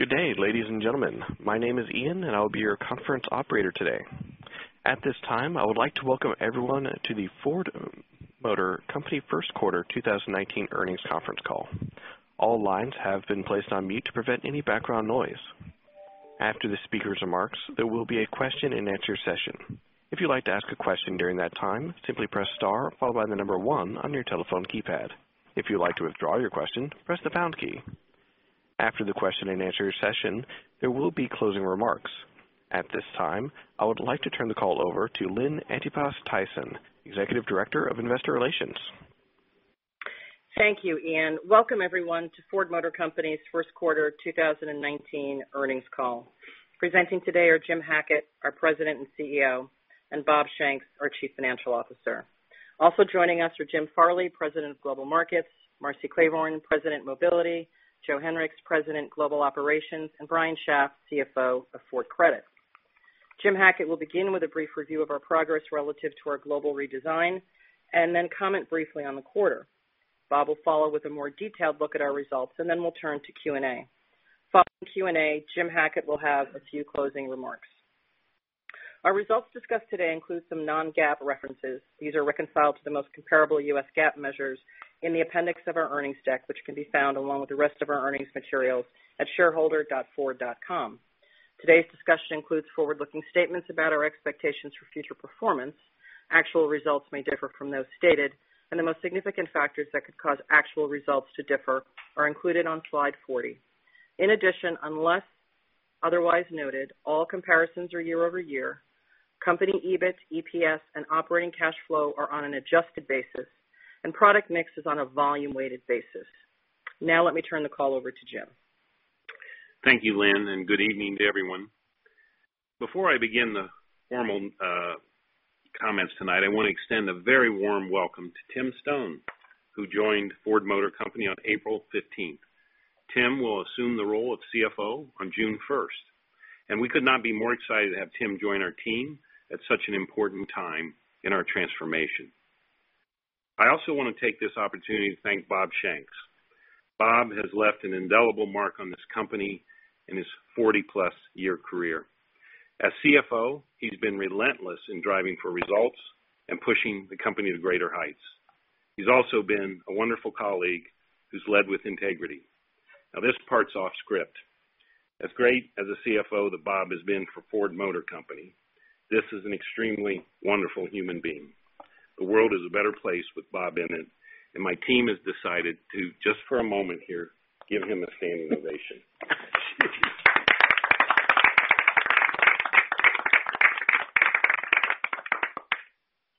Good day, ladies and gentlemen. My name is Ian and I'll be your conference operator today. At this time, I would like to welcome everyone to the Ford Motor Company first quarter 2019 earnings conference call. All lines have been placed on mute to prevent any background noise. After the speaker's remarks, there will be a question-and-answer session. If you'd like to ask a question during that time, simply press star followed by the number one on your telephone keypad. If you'd like to withdraw your question, press the pound key. After the question-and-answer session, there will be closing remarks. At this time, I would like to turn the call over to Lynn Antipas Tyson, Executive Director of Investor Relations. Thank you, Ian. Welcome, everyone, to Ford Motor Company's first quarter 2019 earnings call. Presenting today are Jim Hackett, our President and CEO, and Bob Shanks, our Chief Financial Officer. Also joining us are Jim Farley, President of Global Markets, Marcy Klevorn, President, Mobility, Joe Hinrichs, President, Global Operations, and Brian Schaaf, CFO of Ford Credit. Jim Hackett will begin with a brief review of our progress relative to our global redesign and then comment briefly on the quarter. Bob will follow with a more detailed look at our results and then we will turn to Q&A. Following Q&A, Jim Hackett will have a few closing remarks. Our results discussed today include some non-GAAP references. These are reconciled to the most comparable US GAAP measures in the appendix of our earnings deck, which can be found along with the rest of our earnings materials at shareholder.ford.com. Today's discussion includes forward-looking statements about our expectations for future performance. Actual results may differ from those stated, and the most significant factors that could cause actual results to differ are included on slide 40. In addition, unless otherwise noted, all comparisons are year-over-year. Company EBIT, EPS, and operating cash flow are on an adjusted basis and product mix is on a volume-weighted basis. Now let me turn the call over to Jim. Thank you, Lynn, and good evening to everyone. Before I begin the formal comments tonight, I want to extend a very warm welcome to Tim Stone, who joined Ford Motor Company on April 15th. Tim will assume the role of CFO on June 1st, and we could not be more excited to have Tim join our team at such an important time in our transformation. I also want to take this opportunity to thank Bob Shanks. Bob has left an indelible mark on this company in his 40+ year career. As CFO, he has been relentless in driving for results and pushing the company to greater heights. He also has been a wonderful colleague who has led with integrity. Now this part is off script. As great as a CFO that Bob has been for Ford Motor Company, this is an extremely wonderful human being. The world is a better place with Bob in it, and my team has decided to, just for a moment here, give him a standing ovation.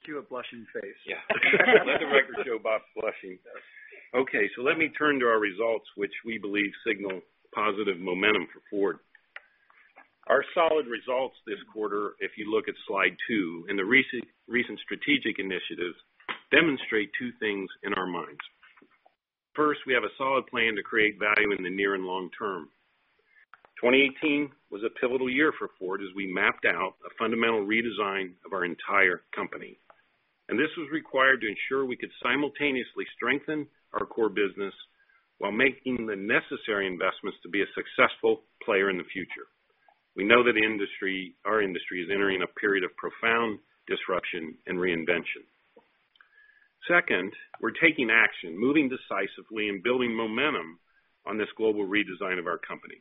Cue a blushing face. Yeah. Let the record show Bob's blushing. Okay, let me turn to our results, which we believe signal positive momentum for Ford. Our solid results this quarter, if you look at Slide two and the recent strategic initiatives demonstrate two things in our minds. First, we have a solid plan to create value in the near and long term. 2018 was a pivotal year for Ford as we mapped out a fundamental redesign of our entire company. This was required to ensure we could simultaneously strengthen our core business while making the necessary investments to be a successful player in the future. We know that our industry is entering a period of profound disruption and reinvention. Second, we're taking action, moving decisively and building momentum on this global redesign of our company.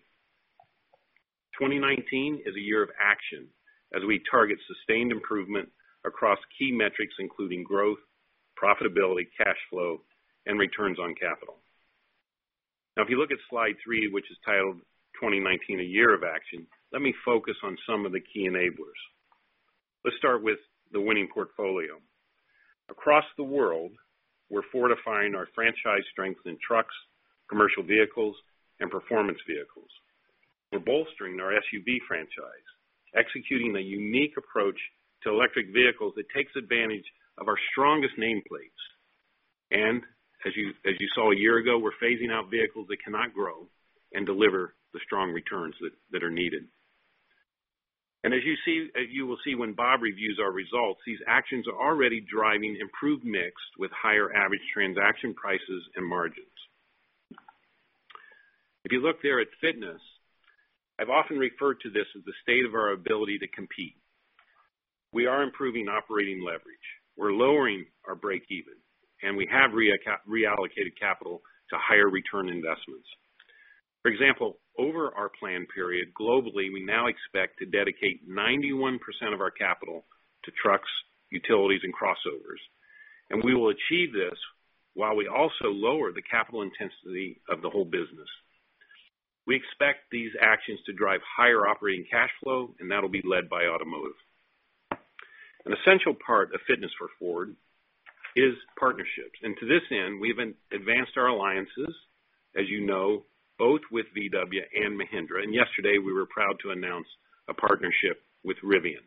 2019 is a year of action as we target sustained improvement across key metrics including growth, profitability, cash flow, and returns on capital. If you look at slide three, which is titled 2019 A Year of Action, let me focus on some of the key enablers. Let's start with the winning portfolio. Across the world, we're fortifying our franchise strength in trucks, commercial vehicles, and performance vehicles. We're bolstering our SUV franchise, executing a unique approach to electric vehicles that takes advantage of our strongest nameplates. As you saw a year ago, we're phasing out vehicles that cannot grow and deliver the strong returns that are needed. As you will see when Bob reviews our results, these actions are already driving improved mix with higher average transaction prices and margins. If you look there at fitness, I've often referred to this as the state of our ability to compete. We are improving operating leverage. We're lowering our breakeven, and we have reallocated capital to higher return investments. For example, over our plan period, globally, we now expect to dedicate 91% of our capital to trucks, utilities, and crossovers. We will achieve this while we also lower the capital intensity of the whole business. We expect these actions to drive higher operating cash flow, and that'll be led by automotive. An essential part of fitness for Ford is partnerships. To this end, we've advanced our alliances, as you know, both with VW and Mahindra. Yesterday, we were proud to announce a partnership with Rivian.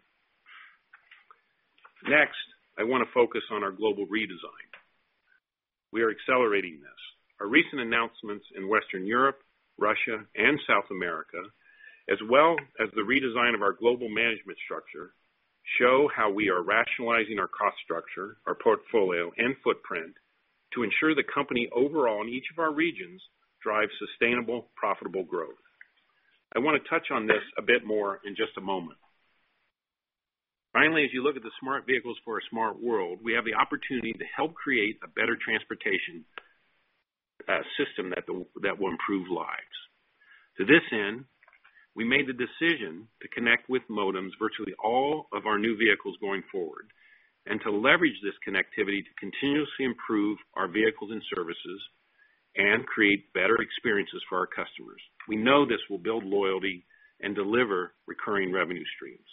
Next, I want to focus on our global redesign. We are accelerating this. Our recent announcements in Western Europe, Russia, and South America, as well as the redesign of our global management structure show how we are rationalizing our cost structure, our portfolio, and footprint to ensure the company overall in each of our regions drives sustainable, profitable growth. I want to touch on this a bit more in just a moment. Finally, as you look at the smart vehicles for a smart world, we have the opportunity to help create a better transportation system that will improve lives. To this end, we made the decision to connect with modems virtually all of our new vehicles going forward, and to leverage this connectivity to continuously improve our vehicles and services and create better experiences for our customers. We know this will build loyalty and deliver recurring revenue streams.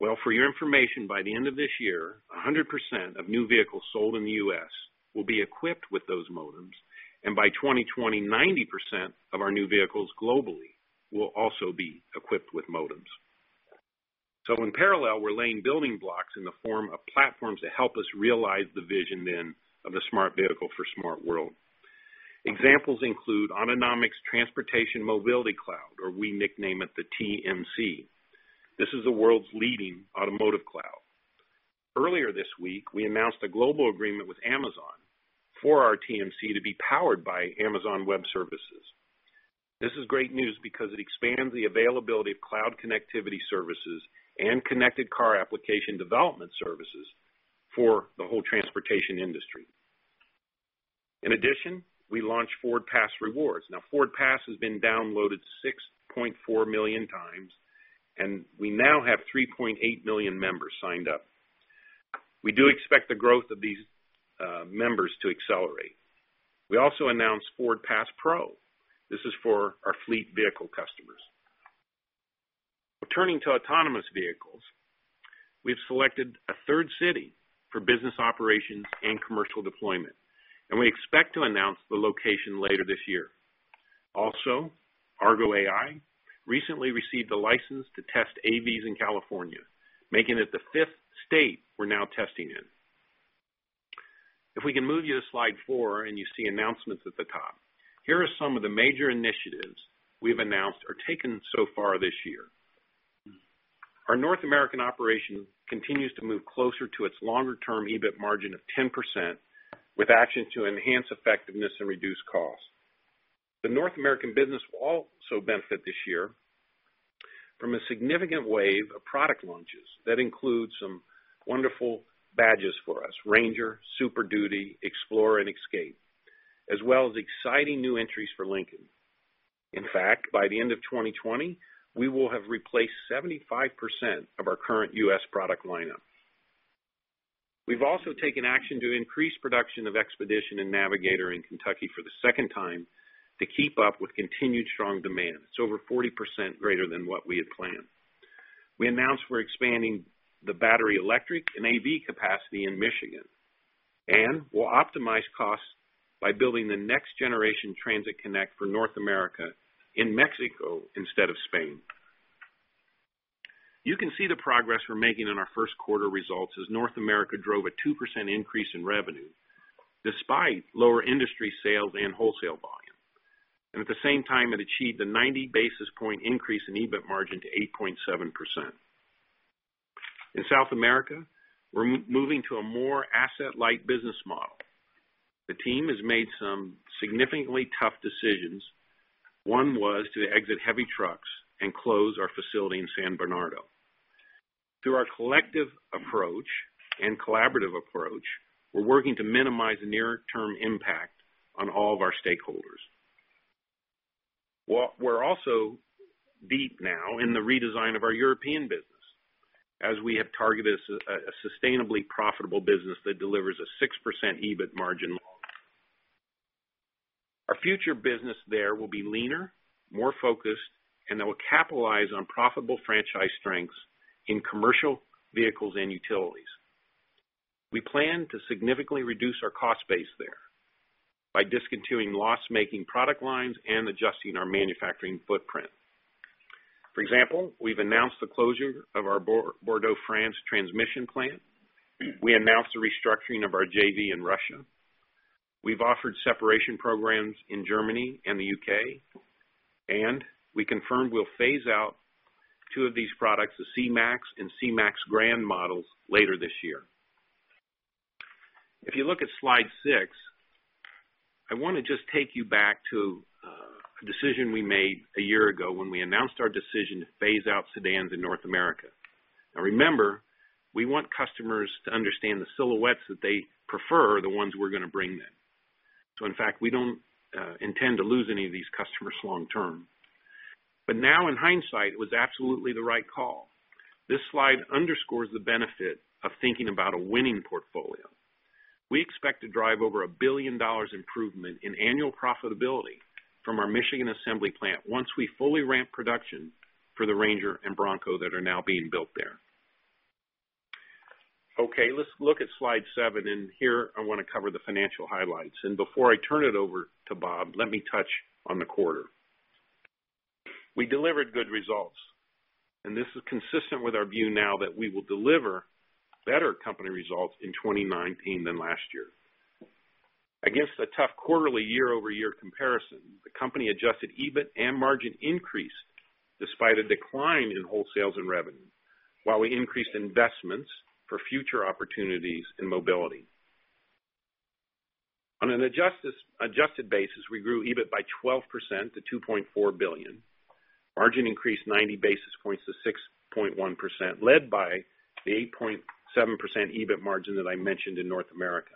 Well, for your information, by the end of this year, 100% of new vehicles sold in the U.S. will be equipped with those modems, and by 2020, 90% of our new vehicles globally will also be equipped with modems. In parallel, we're laying building blocks in the form of platforms to help us realize the vision then of a smart vehicle for a smart world. Examples include Autonomic's Transportation Mobility Cloud, or we nickname it the TMC. This is the world's leading automotive cloud. Earlier this week, we announced a global agreement with Amazon for our TMC to be powered by Amazon Web Services. This is great news because it expands the availability of cloud connectivity services and connected car application development services for the whole transportation industry. In addition, we launched FordPass Rewards. FordPass has been downloaded 6.4 million times, and we now have 3.8 million members signed up. We do expect the growth of these members to accelerate. We also announced FordPass Pro. This is for our fleet vehicle customers. Turning to autonomous vehicles, we've selected a third city for business operations and commercial deployment, and we expect to announce the location later this year. Also, Argo AI recently received a license to test AVs in California, making it the fifth state we're now testing in. If we can move you to slide four and you see announcements at the top. Here are some of the major initiatives we've announced or taken so far this year. Our North American operation continues to move closer to its longer-term EBIT margin of 10%, with actions to enhance effectiveness and reduce costs. The North American business will also benefit this year from a significant wave of product launches that include some wonderful badges for us, Ranger, Super Duty, Explorer, and Escape, as well as exciting new entries for Lincoln. In fact, by the end of 2020, we will have replaced 75% of our current U.S. product lineup. We've also taken action to increase production of Expedition and Navigator in Kentucky for the second time to keep up with continued strong demand. It's over 40% greater than what we had planned. We announced we're expanding the battery electric and AV capacity in Michigan, and we'll optimize costs by building the next generation Transit Connect for North America in Mexico instead of Spain. You can see the progress we're making in our first quarter results as North America drove a 2% increase in revenue despite lower industry sales and wholesale volume. At the same time, it achieved a 90 basis point increase in EBIT margin to 8.7%. In South America, we're moving to a more asset-light business model. The team has made some significantly tough decisions. One was to exit heavy trucks and close our facility in San Bernardo. Through our collective approach and collaborative approach, we're working to minimize the near-term impact on all of our stakeholders. We're also deep now in the redesign of our European business as we have targeted a sustainably profitable business that delivers a 6% EBIT margin long term. Our future business there will be leaner, more focused, and it will capitalize on profitable franchise strengths in commercial vehicles and utilities. We plan to significantly reduce our cost base there by discontinuing loss-making product lines and adjusting our manufacturing footprint. For example, we've announced the closure of our Bordeaux, France transmission plant. We announced the restructuring of our JV in Russia. We've offered separation programs in Germany and the U.K., we confirmed we'll phase out two of these products, the C-MAX and C-MAX Grand models, later this year. If you look at slide six, I want to just take you back to a decision we made a year ago when we announced our decision to phase out sedans in North America. Now remember, we want customers to understand the silhouettes that they prefer are the ones we're going to bring them. In fact, we don't intend to lose any of these customers long term. Now in hindsight, it was absolutely the right call. This slide underscores the benefit of thinking about a winning portfolio. We expect to drive over $1 billion improvement in annual profitability from our Michigan assembly plant once we fully ramp production for the Ranger and Bronco that are now being built there. Okay, let's look at slide seven, here I want to cover the financial highlights. Before I turn it over to Bob, let me touch on the quarter. We delivered good results, and this is consistent with our view now that we will deliver better company results in 2019 than last year. Against a tough quarterly year-over-year comparison, the company adjusted EBIT and margin increased despite a decline in wholesales and revenue, while we increased investments for future opportunities in mobility. On an adjusted basis, we grew EBIT by 12% to $2.4 billion. Margin increased 90 basis points to 6.1%, led by the 8.7% EBIT margin that I mentioned in North America.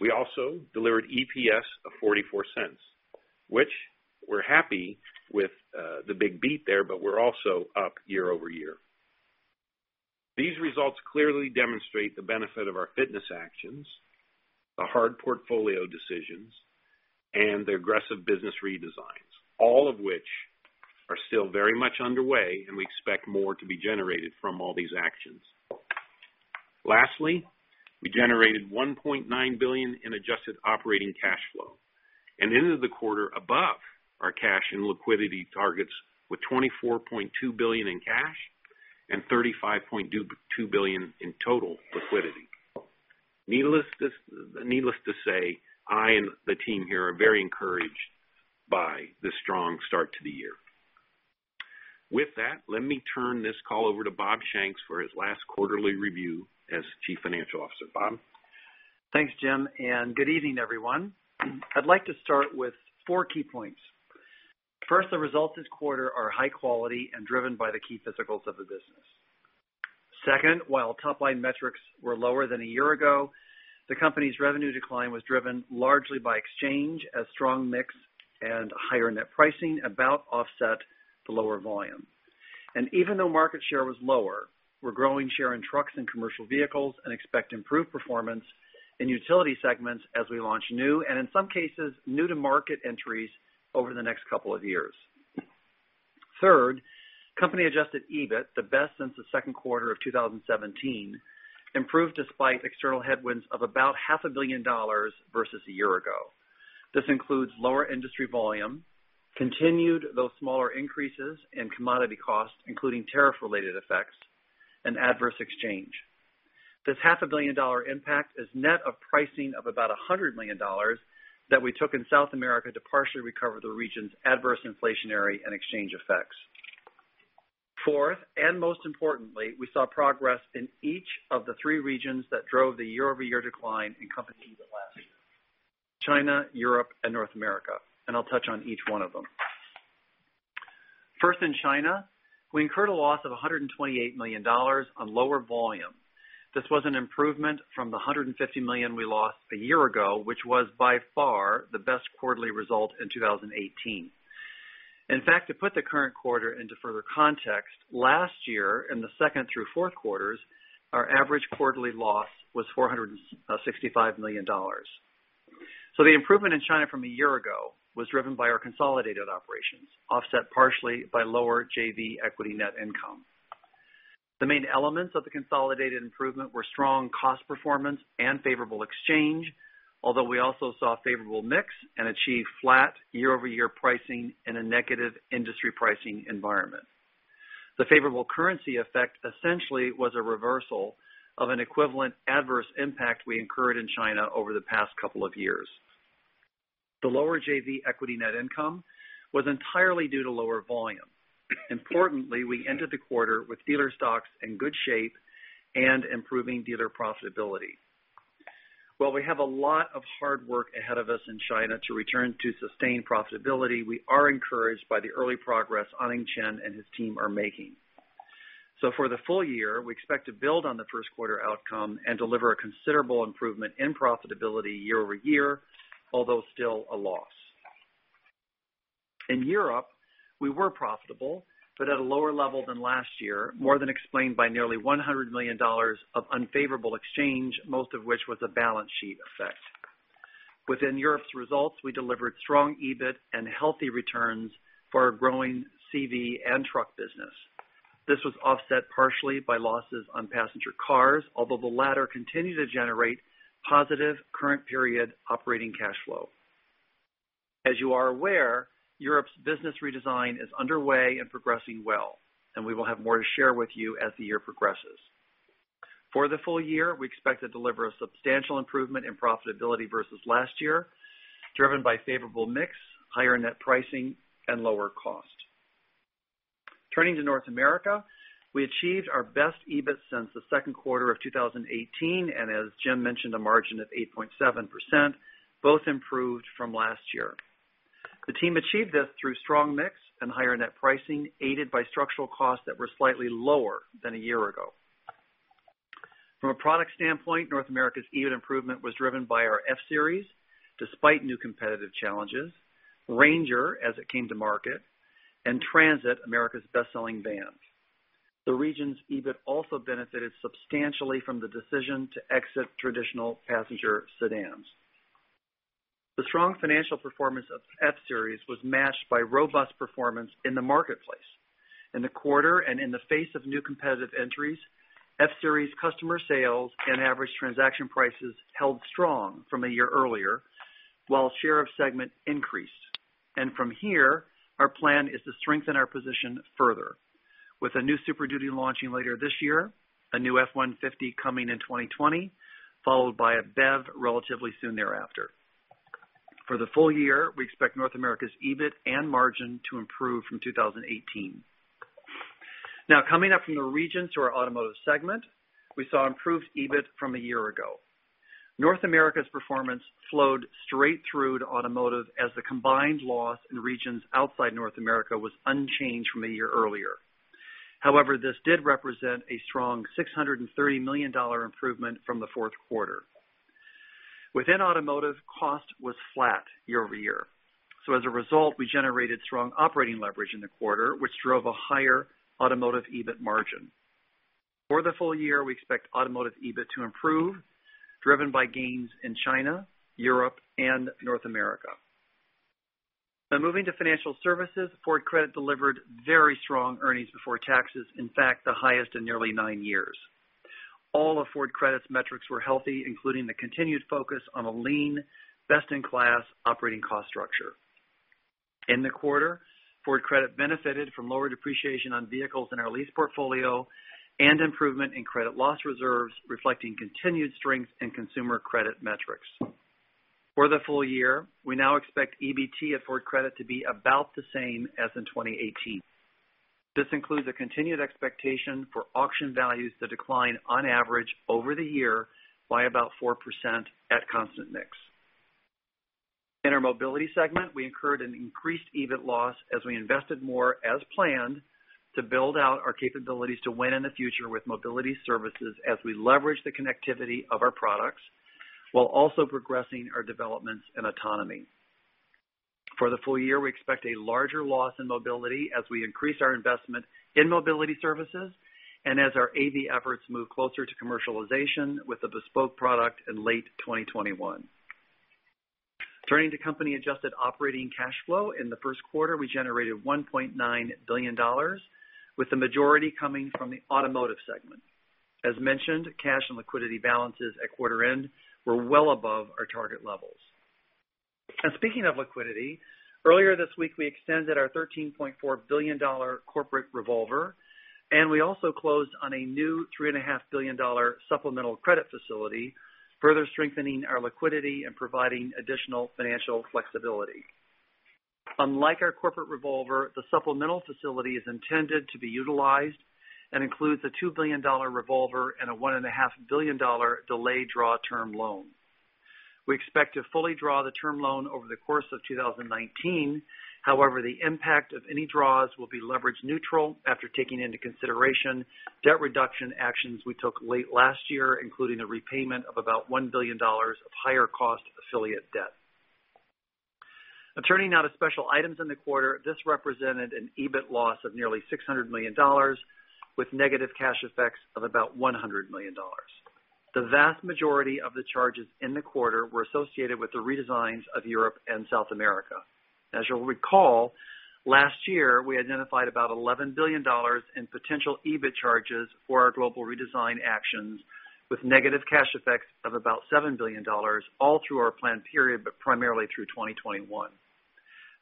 We also delivered EPS of $0.44, which we're happy with the big beat there, but we're also up year-over-year. These results clearly demonstrate the benefit of our fitness actions, the hard portfolio decisions, and the aggressive business redesigns, all of which are still very much underway, and we expect more to be generated from all these actions. Lastly, we generated $1.9 billion in adjusted operating cash flow and ended the quarter above our cash and liquidity targets with $24.2 billion in cash and $35.2 billion in total liquidity. Needless to say, I and the team here are very encouraged by the strong start to the year. With that, let me turn this call over to Bob Shanks for his last quarterly review as Chief Financial Officer. Bob? Thanks, Jim, and good evening, everyone. I'd like to start with four key points. First, the results this quarter are high quality and driven by the key physicals of the business. Second, while top-line metrics were lower than a year ago, the company's revenue decline was driven largely by exchange as strong mix and higher net pricing about offset the lower volume. Even though market share was lower, we're growing share in trucks and commercial vehicles and expect improved performance in utility segments as we launch new, and in some cases, new-to-market entries over the next couple of years. Third, company-adjusted EBIT, the best since the second quarter of 2017, improved despite external headwinds of about $500 million versus a year ago. This includes lower industry volume, continued, though smaller, increases in commodity costs, including tariff-related effects, and adverse exchange. This $500 million impact is net of pricing of about $100 million that we took in South America to partially recover the region's adverse inflationary and exchange effects. Fourth, and most importantly, we saw progress in each of the three regions that drove the year-over-year decline in company EBIT last year, China, Europe, and North America, and I'll touch on each one of them. First, in China, we incurred a loss of $128 million on lower volume. This was an improvement from the $150 million we lost a year ago, which was by far the best quarterly result in 2018. In fact, to put the current quarter into further context, last year in the second through fourth quarters, our average quarterly loss was $465 million. The improvement in China from a year ago was driven by our consolidated operations, offset partially by lower JV equity net income. The main elements of the consolidated improvement were strong cost performance and favorable exchange, although we also saw a favorable mix and achieved flat year-over-year pricing in a negative industry pricing environment. The favorable currency effect essentially was a reversal of an equivalent adverse impact we incurred in China over the past couple of years. The lower JV equity net income was entirely due to lower volume. Importantly, we ended the quarter with dealer stocks in good shape and improving dealer profitability. While we have a lot of hard work ahead of us in China to return to sustained profitability, we are encouraged by the early progress Anning Chen and his team are making. For the full year, we expect to build on the first quarter outcome and deliver a considerable improvement in profitability year-over-year, although still a loss. In Europe, we were profitable, but at a lower level than last year, more than explained by nearly $100 million of unfavorable exchange, most of which was a balance sheet effect. Within Europe's results, we delivered strong EBIT and healthy returns for our growing CV and truck business. This was offset partially by losses on passenger cars, although the latter continued to generate positive current period operating cash flow. As you are aware, Europe's business redesign is underway and progressing well. We will have more to share with you as the year progresses. For the full year, we expect to deliver a substantial improvement in profitability versus last year, driven by favorable mix, higher net pricing, and lower cost. Turning to North America, we achieved our best EBIT since the second quarter of 2018. As Jim mentioned, a margin of 8.7%, both improved from last year. The team achieved this through strong mix and higher net pricing, aided by structural costs that were slightly lower than a year ago. From a product standpoint, North America's EBIT improvement was driven by our F-Series, despite new competitive challenges, Ranger, as it came to market, and Transit, America's best-selling van. The region's EBIT also benefited substantially from the decision to exit traditional passenger sedans. The strong financial performance of F-Series was matched by robust performance in the marketplace. In the quarter and in the face of new competitive entries, F-Series customer sales and average transaction prices held strong from a year earlier. While share of segment increased. From here, our plan is to strengthen our position further. With a new Super Duty launching later this year, a new F-150 coming in 2020, followed by a BEV relatively soon thereafter. For the full year, we expect North America's EBIT and margin to improve from 2018. Coming up from the regions to our automotive segment, we saw improved EBIT from a year ago. North America's performance flowed straight through to automotive as the combined loss in regions outside North America was unchanged from a year earlier. This did represent a strong $630 million improvement from the fourth quarter. Within automotive, cost was flat year-over-year. As a result, we generated strong operating leverage in the quarter, which drove a higher automotive EBIT margin. For the full year, we expect automotive EBIT to improve, driven by gains in China, Europe, and North America. Moving to financial services, Ford Credit delivered very strong earnings before taxes, in fact, the highest in nearly nine years. All of Ford Credit's metrics were healthy, including the continued focus on a lean, best-in-class operating cost structure. In the quarter, Ford Credit benefited from lower depreciation on vehicles in our lease portfolio and improvement in credit loss reserves, reflecting continued strength in consumer credit metrics. For the full year, we now expect EBT at Ford Credit to be about the same as in 2018. This includes a continued expectation for auction values to decline on average over the year by about 4% at constant mix. In our mobility segment, we incurred an increased EBIT loss as we invested more, as planned, to build out our capabilities to win in the future with mobility services as we leverage the connectivity of our products, while also progressing our developments in autonomy. For the full year, we expect a larger loss in mobility as we increase our investment in mobility services and as our AV efforts move closer to commercialization with the bespoke product in late 2021. Turning to company-adjusted operating cash flow, in the first quarter, we generated $1.9 billion, with the majority coming from the automotive segment. As mentioned, cash and liquidity balances at quarter end were well above our target levels. Speaking of liquidity, earlier this week, we extended our $13.4 billion corporate revolver, and we also closed on a new $3.5 billion supplemental credit facility, further strengthening our liquidity and providing additional financial flexibility. Unlike our corporate revolver, the supplemental facility is intended to be utilized and includes a $2 billion revolver and a $1.5 billion delay draw term loan. We expect to fully draw the term loan over the course of 2019. However, the impact of any draws will be leverage neutral after taking into consideration debt reduction actions we took late last year, including the repayment of about $1 billion of higher cost affiliate debt. Turning now to special items in the quarter, this represented an EBIT loss of nearly $600 million, with negative cash effects of about $100 million. The vast majority of the charges in the quarter were associated with the redesigns of Europe and South America. As you'll recall, last year, we identified about $11 billion in potential EBIT charges for our global redesign actions, with negative cash effects of about $7 billion, all through our plan period, but primarily through 2021.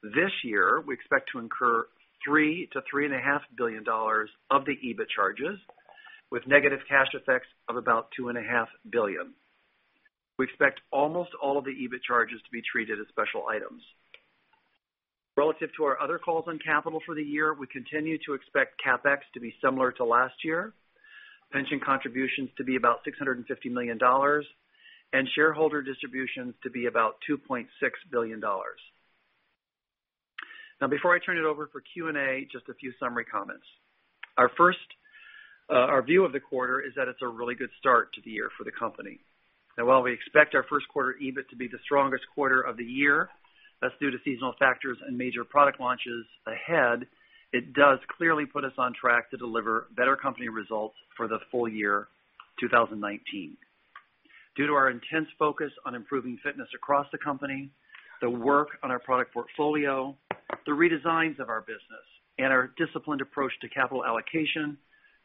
This year, we expect to incur $3 billion-$3.5 billion of the EBIT charges, with negative cash effects of about $2.5 billion. We expect almost all of the EBIT charges to be treated as special items. Relative to our other calls on capital for the year, we continue to expect CapEx to be similar to last year, pension contributions to be about $650 million, and shareholder distributions to be about $2.6 billion. Before I turn it over for Q&A, just a few summary comments. Our view of the quarter is that it's a really good start to the year for the company. While we expect our first quarter EBIT to be the strongest quarter of the year, that's due to seasonal factors and major product launches ahead, it does clearly put us on track to deliver better company results for the full year 2019. Due to our intense focus on improving fitness across the company, the work on our product portfolio, the redesigns of our business, and our disciplined approach to capital allocation,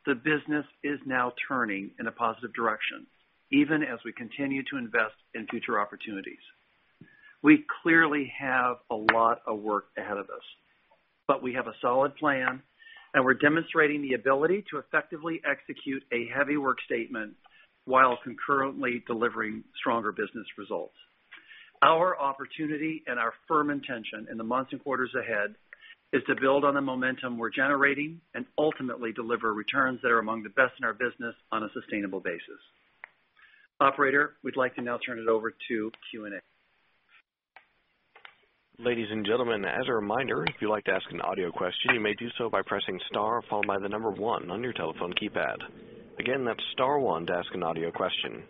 the business is now turning in a positive direction, even as we continue to invest in future opportunities. We clearly have a lot of work ahead of us, but we have a solid plan, and we're demonstrating the ability to effectively execute a heavy work statement while concurrently delivering stronger business results. Our opportunity and our firm intention in the months and quarters ahead is to build on the momentum we're generating and ultimately deliver returns that are among the best in our business on a sustainable basis. Operator, we'd like to now turn it over to Q&A. Ladies and gentlemen, as a reminder, if you'd like to ask an audio question, you may do so by pressing star followed by the number one on your telephone keypad. Again, that's star one to ask an audio question.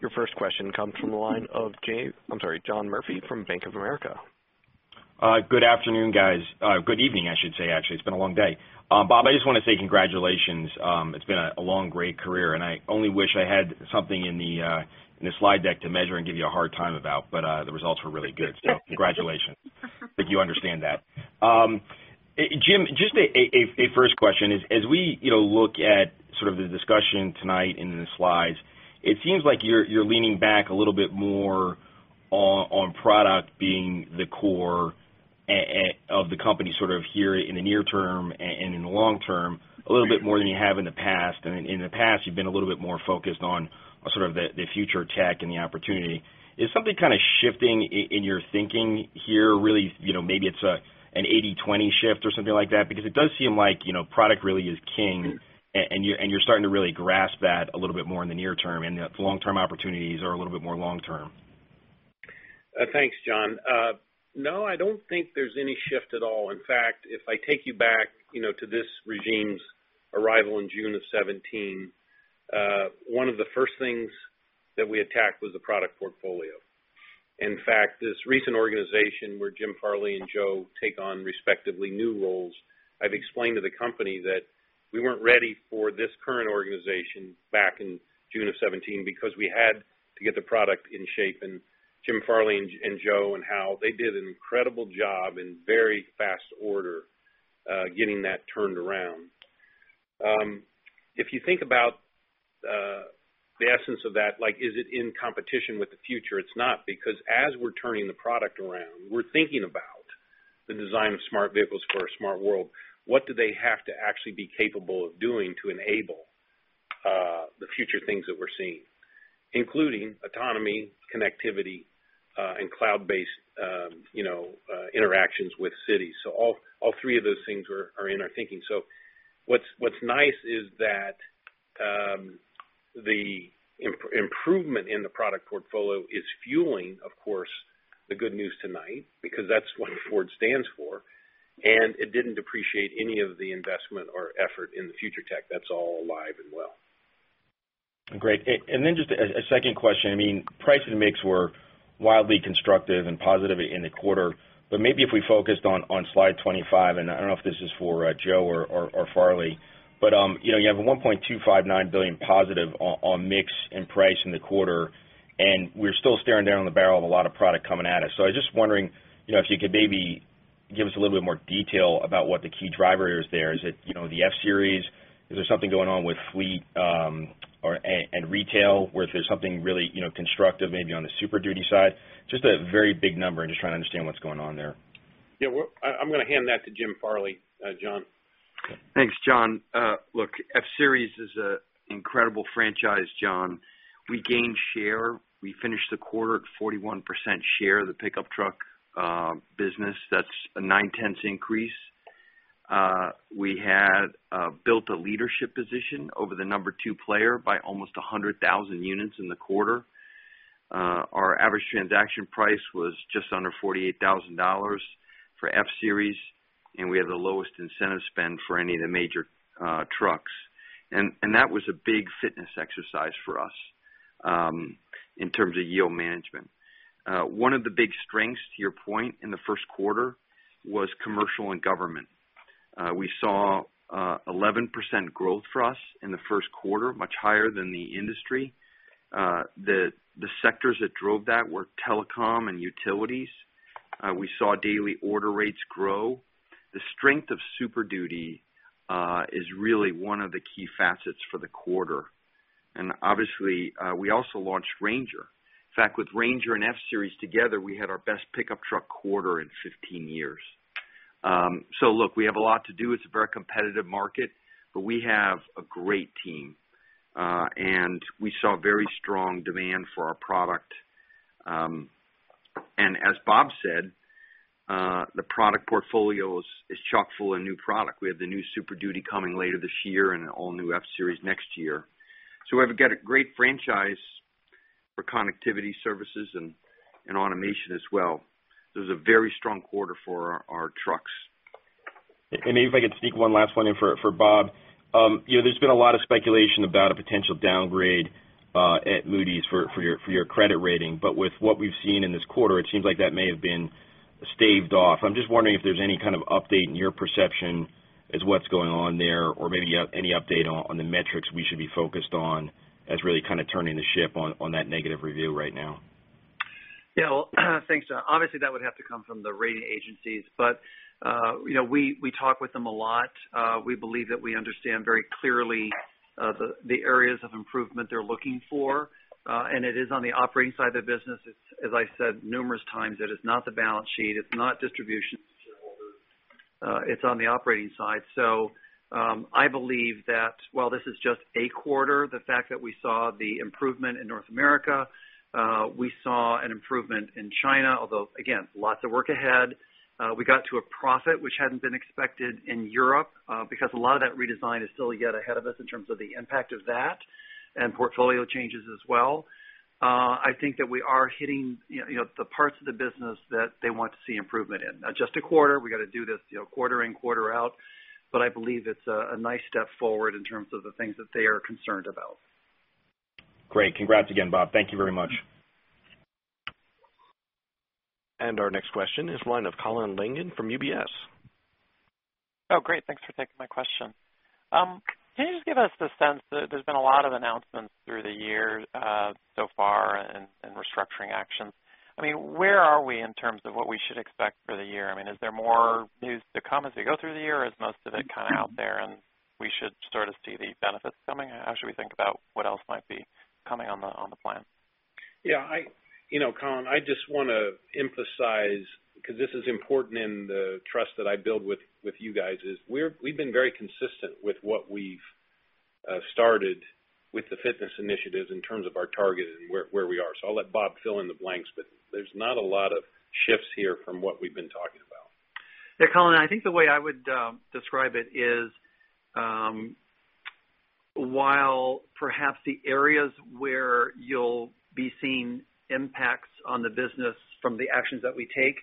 Your first question comes from the line of John Murphy from Bank of America. Good afternoon, guys. Good evening, I should say, actually. It's been a long day. Bob, I just want to say congratulations. It's been a long, great career, I only wish I had something in the slide deck to measure and give you a hard time about, but the results were really good. Congratulations. But you understand that. Jim, just a first question is, as we look at sort of the discussion tonight in the slides, it seems like you're leaning back a little bit more on product being the core of the company sort of here in the near term and in the long term a little bit more than you have in the past. In the past, you've been a little bit more focused on sort of the future tech and the opportunity. Is something kind of shifting in your thinking here, really, maybe it's an 80/20 shift or something like that? Because it does seem like product really is king and you're starting to really grasp that a little bit more in the near term and the long-term opportunities are a little bit more long term. Thanks, John. No, I don't think there's any shift at all. In fact, if I take you back to this regime's arrival in June of 2017, one of the first things that we attacked was the product portfolio. In fact, this recent organization where Jim Farley and Joe take on respectively new roles, I've explained to the company that we weren't ready for this current organization back in June of 2017 because we had to get the product in shape and Jim Farley and Joe and how they did an incredible job in very fast order, getting that turned around. If you think about the essence of that, is it in competition with the future? It's not, because as we're turning the product around, we're thinking about the design of smart vehicles for a smart world. What do they have to actually be capable of doing to enable the future things that we're seeing, including autonomy, connectivity, and cloud-based interactions with cities. All three of those things are in our thinking. What's nice is that the improvement in the product portfolio is fueling, of course, the good news tonight because that's what Ford stands for, and it didn't depreciate any of the investment or effort in the future tech. That's all alive and well. Great. Just a second question. Prices and mix were wildly constructive and positive in the quarter, but maybe if we focused on slide 25, and I don't know if this is for Joe or Farley, but you have a $1.259 billion positive on mix and price in the quarter, we're still staring down the barrel of a lot of product coming at us. I was just wondering if you could maybe give us a little bit more detail about what the key driver is there. Is it the F-Series? Is there something going on with fleet and retail where if there's something really constructive maybe on the Super Duty side? Just a very big number and just trying to understand what's going on there. I'm going to hand that to Jim Farley, John. Thanks, John. F-Series is an incredible franchise, John. We gained share. We finished the quarter at 41% share of the pickup truck business. That's a 9/10 increase. We had built a leadership position over the number two player by almost 100,000 units in the quarter. Our average transaction price was just under $48,000 for F-Series, and we had the lowest incentive spend for any of the major trucks. That was a big fitness exercise for us in terms of yield management. One of the big strengths, to your point, in the first quarter was commercial and government. We saw 11% growth for us in the first quarter, much higher than the industry. The sectors that drove that were telecom and utilities. We saw daily order rates grow. The strength of Super Duty is really one of the key facets for the quarter. Obviously, we also launched Ranger. Look, with Ranger and F-Series together, we had our best pickup truck quarter in 15 years. We have a lot to do. It's a very competitive market, but we have a great team. We saw very strong demand for our product. As Bob said, the product portfolio is chock-full of new product. We have the new Super Duty coming later this year and an all-new F-Series next year. We've got a great franchise for connectivity services and automation as well. This was a very strong quarter for our trucks. Maybe if I could sneak one last one in for Bob. There's been a lot of speculation about a potential downgrade at Moody's for your credit rating. With what we've seen in this quarter, it seems like that may have been staved off. I'm just wondering if there's any kind of update in your perception as what's going on there or maybe any update on the metrics we should be focused on as really kind of turning the ship on that negative review right now. Well, thanks, John. Obviously, that would have to come from the rating agencies. We talk with them a lot. We believe that we understand very clearly the areas of improvement they're looking for. It is on the operating side of the business. As I said numerous times, it is not the balance sheet, it's not distribution to shareholders. It's on the operating side. I believe that while this is just a quarter, the fact that we saw the improvement in North America, we saw an improvement in China, although, again, lots of work ahead. We got to a profit, which hadn't been expected in Europe, because a lot of that redesign is still yet ahead of us in terms of the impact of that and portfolio changes as well. I think that we are hitting the parts of the business that they want to see improvement in. Now, just a quarter, we got to do this quarter in, quarter out, but I believe it's a nice step forward in terms of the things that they are concerned about. Great. Congrats again, Bob. Thank you very much. Our next question is line of Colin Langan from UBS. Great. Thanks for taking my question. Can you just give us the sense that there's been a lot of announcements through the year so far and restructuring actions? Where are we in terms of what we should expect for the year? Is there more news to come as we go through the year? Is most of it out there, and we should start to see the benefits coming? How should we think about what else might be coming on the plan? Colin, I just want to emphasize, because this is important in the trust that I build with you guys, is we've been very consistent with what we've started with the fitness initiatives in terms of our target and where we are. I'll let Bob fill in the blanks, but there's not a lot of shifts here from what we've been talking about. Colin, I think the way I would describe it is, while perhaps the areas where you'll be seeing impacts on the business from the actions that we take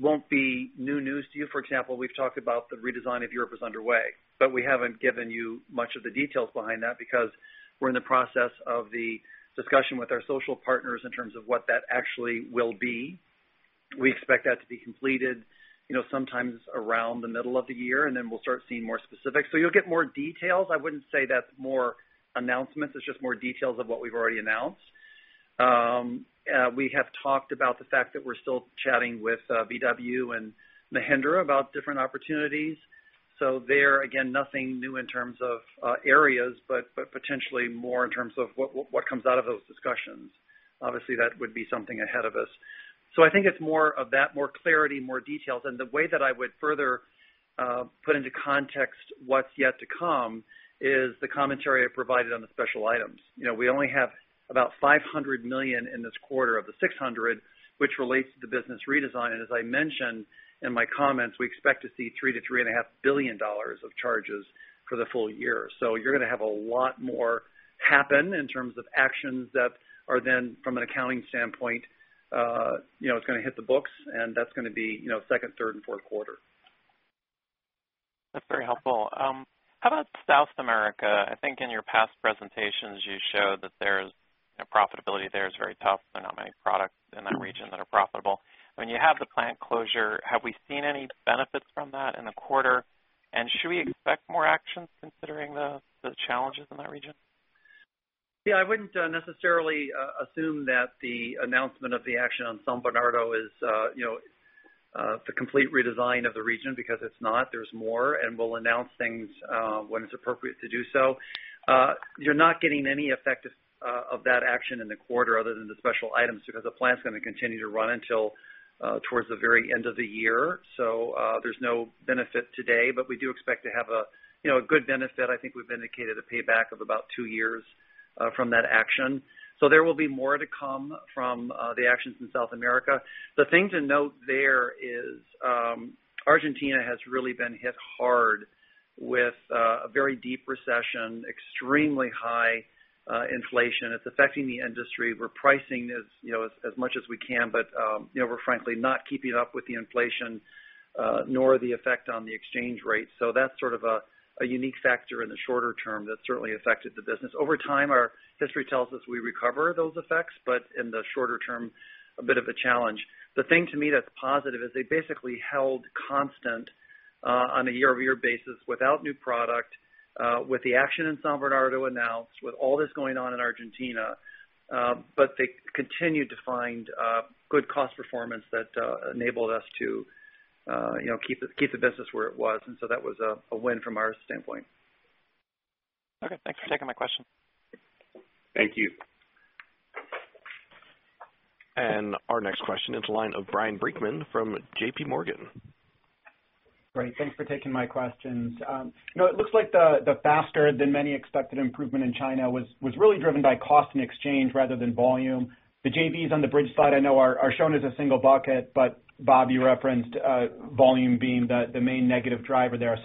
won't be new news to you. For example, we've talked about the redesign of Europe is underway, but we haven't given you much of the details behind that because we're in the process of the discussion with our social partners in terms of what that actually will be. We expect that to be completed sometimes around the middle of the year, and then we'll start seeing more specifics. You'll get more details. I wouldn't say that's more announcements, it's just more details of what we've already announced. We have talked about the fact that we're still chatting with VW and Mahindra about different opportunities. There, again, nothing new in terms of areas, but potentially more in terms of what comes out of those discussions. Obviously, that would be something ahead of us. I think it's more of that, more clarity, more details. And the way that I would further put into context what's yet to come is the commentary I provided on the special items. We only have about $500 million in this quarter of the $600 million, which relates to the business redesign. As I mentioned in my comments, we expect to see $3 billion-$3.5 billion of charges for the full year. You're going to have a lot more happen in terms of actions that are then from an accounting standpoint, it's going to hit the books, and that's going to be second, third, and fourth quarter. That's very helpful. How about South America? I think in your past presentations, you showed that profitability there is very tough. There are not many products in that region that are profitable. When you have the plant closure, have we seen any benefits from that in the quarter? And should we expect more actions considering the challenges in that region? I wouldn't necessarily assume that the announcement of the action on San Bernardo is the complete redesign of the region because it's not. There's more, and we'll announce things when it's appropriate to do so. You're not getting any effect of that action in the quarter other than the special items because the plant's going to continue to run until towards the very end of the year. There's no benefit today, but we do expect to have a good benefit. I think we've indicated a payback of about two years from that action. There will be more to come from the actions in South America. The thing to note there is Argentina has really been hit hard with a very deep recession, extremely high inflation. It's affecting the industry. We're pricing as much as we can, but we're frankly not keeping up with the inflation, nor the effect on the exchange rate. That's sort of a unique factor in the shorter term that's certainly affected the business. Over time, our history tells us we recover those effects, but in the shorter term, a bit of a challenge. The thing to me that's positive is they basically held constant on a year-over-year basis without new product, with the action in San Bernardo announced, with all this going on in Argentina. They continued to find good cost performance that enabled us to keep the business where it was, and so that was a win from our standpoint. Okay, thanks for taking my question. Thank you. Our next question is the line of Ryan Brinkman from JPMorgan. Great. Thanks for taking my questions. It looks like the faster than many expected improvement in China was really driven by cost and exchange rather than volume. The JVs on the bridge side I know are shown as a single bucket, but Bob, you referenced volume being the main negative driver there.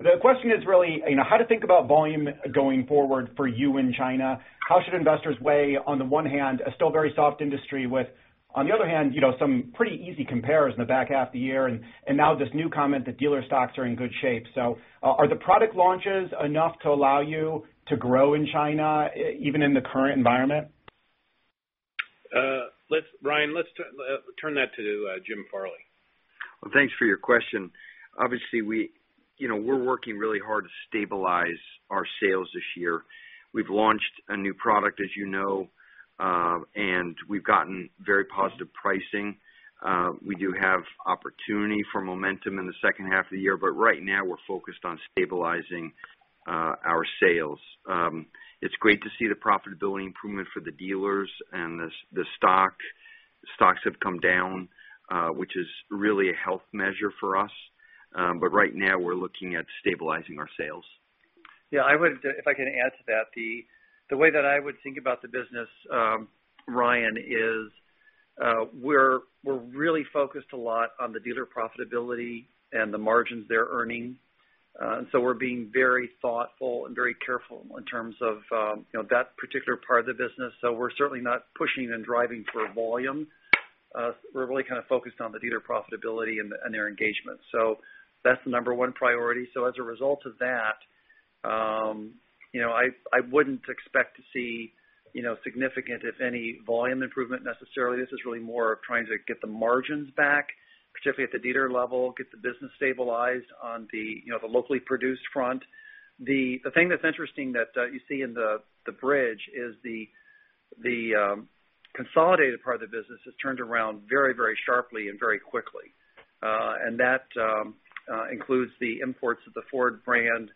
The question is really, how to think about volume going forward for you in China. How should investors weigh on the one hand, a still very soft industry with, on the other hand, some pretty easy compares in the back half of the year. Now this new comment that dealer stocks are in good shape. Are the product launches enough to allow you to grow in China even in the current environment? Ryan, let's turn that to Jim Farley. Well, thanks for your question. Obviously, we're working really hard to stabilize our sales this year. We've launched a new product, as you know, and we've gotten very positive pricing. We do have opportunity for momentum in the second half of the year, but right now we're focused on stabilizing our sales. It's great to see the profitability improvement for the dealers and the stocks have come down, which is really a health measure for us. Right now we're looking at stabilizing our sales. Yeah, if I can add to that. The way that I would think about the business, Ryan, is we're really focused a lot on the dealer profitability and the margins they're earning. We're being very thoughtful and very careful in terms of that particular part of the business. We're certainly not pushing and driving for volume. We're really kind of focused on the dealer profitability and their engagement. That's the number one priority. As a result of that I wouldn't expect to see significant, if any, volume improvement necessarily. This is really more of trying to get the margins back, particularly at the dealer level, get the business stabilized on the locally produced front. The thing that's interesting that you see in the bridge is the consolidated part of the business has turned around very sharply and very quickly. That includes the imports of the Ford brand,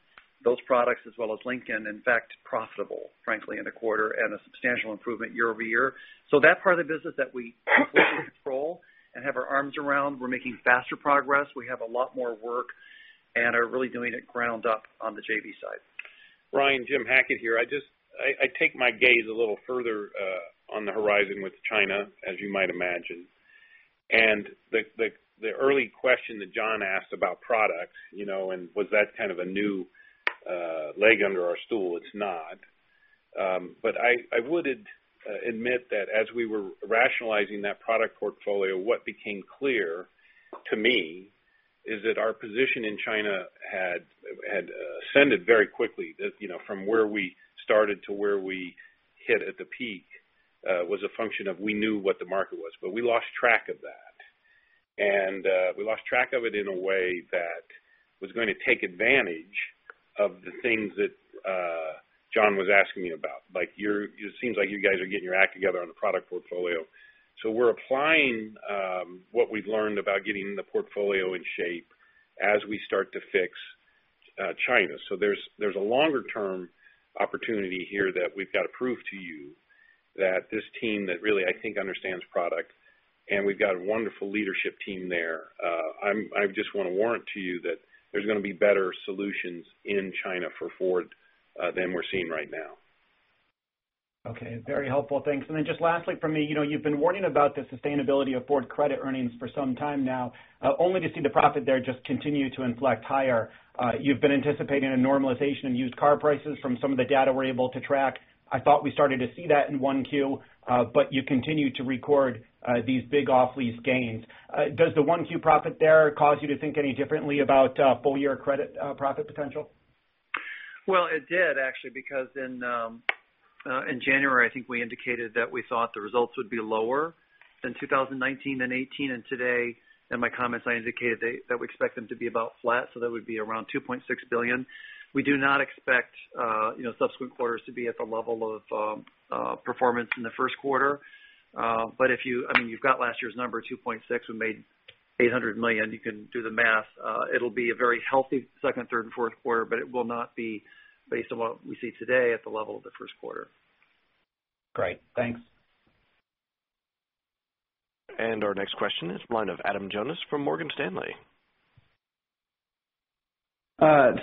those products, as well as Lincoln, in fact, profitable, frankly, in the quarter and a substantial improvement year-over-year. That part of the business that we fully control and have our arms around, we're making faster progress. We have a lot more work and are really doing it ground up on the JVs side. Ryan, Jim Hackett here. I take my gaze a little further on the horizon with China, as you might imagine. The early question that John asked about products, and was that kind of a new leg under our stool, it's not. I would admit that as we were rationalizing that product portfolio, what became clear to me is that our position in China had ascended very quickly. From where we started to where we hit at the peak, was a function of we knew what the market was. We lost track of that. We lost track of it in a way that was going to take advantage of the things that John was asking me about. It seems like you guys are getting your act together on the product portfolio. We're applying what we've learned about getting the portfolio in shape as we start to fix China. There's a longer-term opportunity here that we've got to prove to you that this team that really, I think, understands product, and we've got a wonderful leadership team there. I just want to warrant to you that there's going to be better solutions in China for Ford than we're seeing right now. Okay. Very helpful. Thanks. Just lastly from me. You've been warning about the sustainability of Ford Credit earnings for some time now only to see the profit there just continue to inflect higher. You've been anticipating a normalization of used car prices from some of the data we're able to track. I thought we started to see that in 1Q, but you continue to record these big off-lease gains. Does the 1Q profit there cause you to think any differently about full-year credit profit potential? Well, it did, actually, because in January, I think we indicated that we thought the results would be lower than 2019 and 2018. Today, in my comments, I indicated that we expect them to be about flat. That would be around $2.6 billion. We do not expect subsequent quarters to be at the level of performance in the first quarter. You've got last year's number, $2.6 billion. We made $800 million. You can do the math. It'll be a very healthy second, third, and fourth quarter, but it will not be based on what we see today at the level of the first quarter. Great. Thanks. Our next question is the line of Adam Jonas from Morgan Stanley.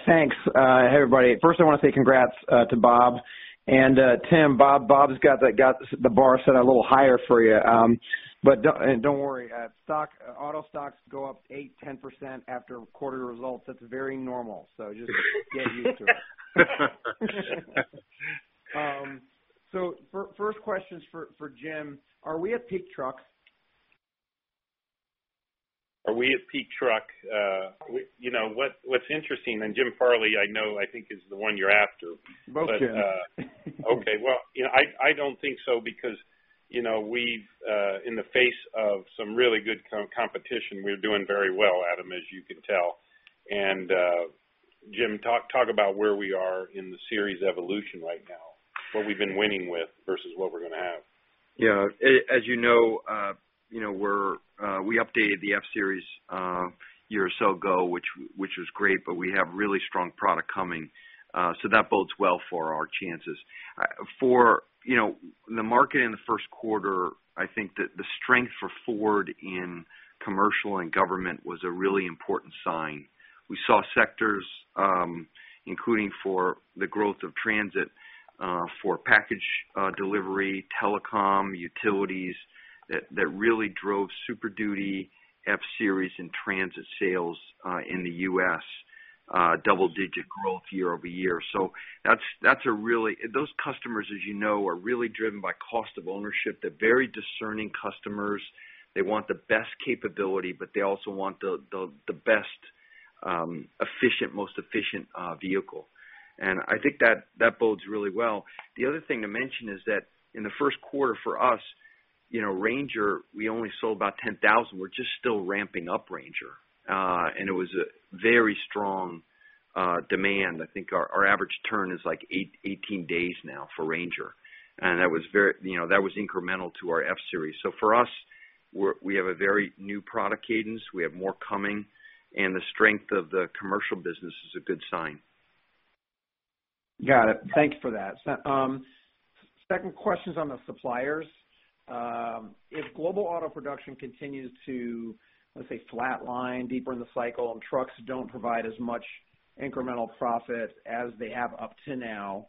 Thanks. Hey, everybody. First, I want to say congrats to Bob and Jim. Bob's got the bar set a little higher for you. Don't worry. Auto stocks go up 8%, 10% after quarter results. That's very normal. Just get used to it. First question's for Jim. Are we at peak trucks? Are we at peak truck? What's interesting, and Jim Farley, I know, I think is the one you're after. Both Jims. Okay. Well, I don't think so because we've, in the face of some really good competition, we're doing very well, Adam, as you can tell. Jim, talk about where we are in the F-Series evolution right now. What we've been winning with versus what we're going to have. Yeah. As you know, we updated the F-Series a year or so ago, which was great, but we have really strong product coming. That bodes well for our chances. For the market in the first quarter, I think that the strength for Ford in commercial and government was a really important sign. We saw sectors, including for the growth of Transit for package delivery, telecom, utilities, that really drove Super Duty F-Series and Transit sales in the U.S. Double-digit growth year-over-year. Those customers, as you know, are really driven by cost of ownership. They're very discerning customers. They want the best capability, but they also want the most efficient vehicle. I think that bodes really well. The other thing to mention is that in the first quarter for us, Ranger, we only sold about 10,000. We're just still ramping up Ranger. It was a very strong demand. I think our average turn is like 18 days now for Ranger. That was incremental to our F-Series. For us, we have a very new product cadence. We have more coming. The strength of the commercial business is a good sign. Got it. Thanks for that. Second question is on the suppliers. If global auto production continues to, let's say, flatline deeper in the cycle and trucks don't provide as much incremental profit as they have up to now,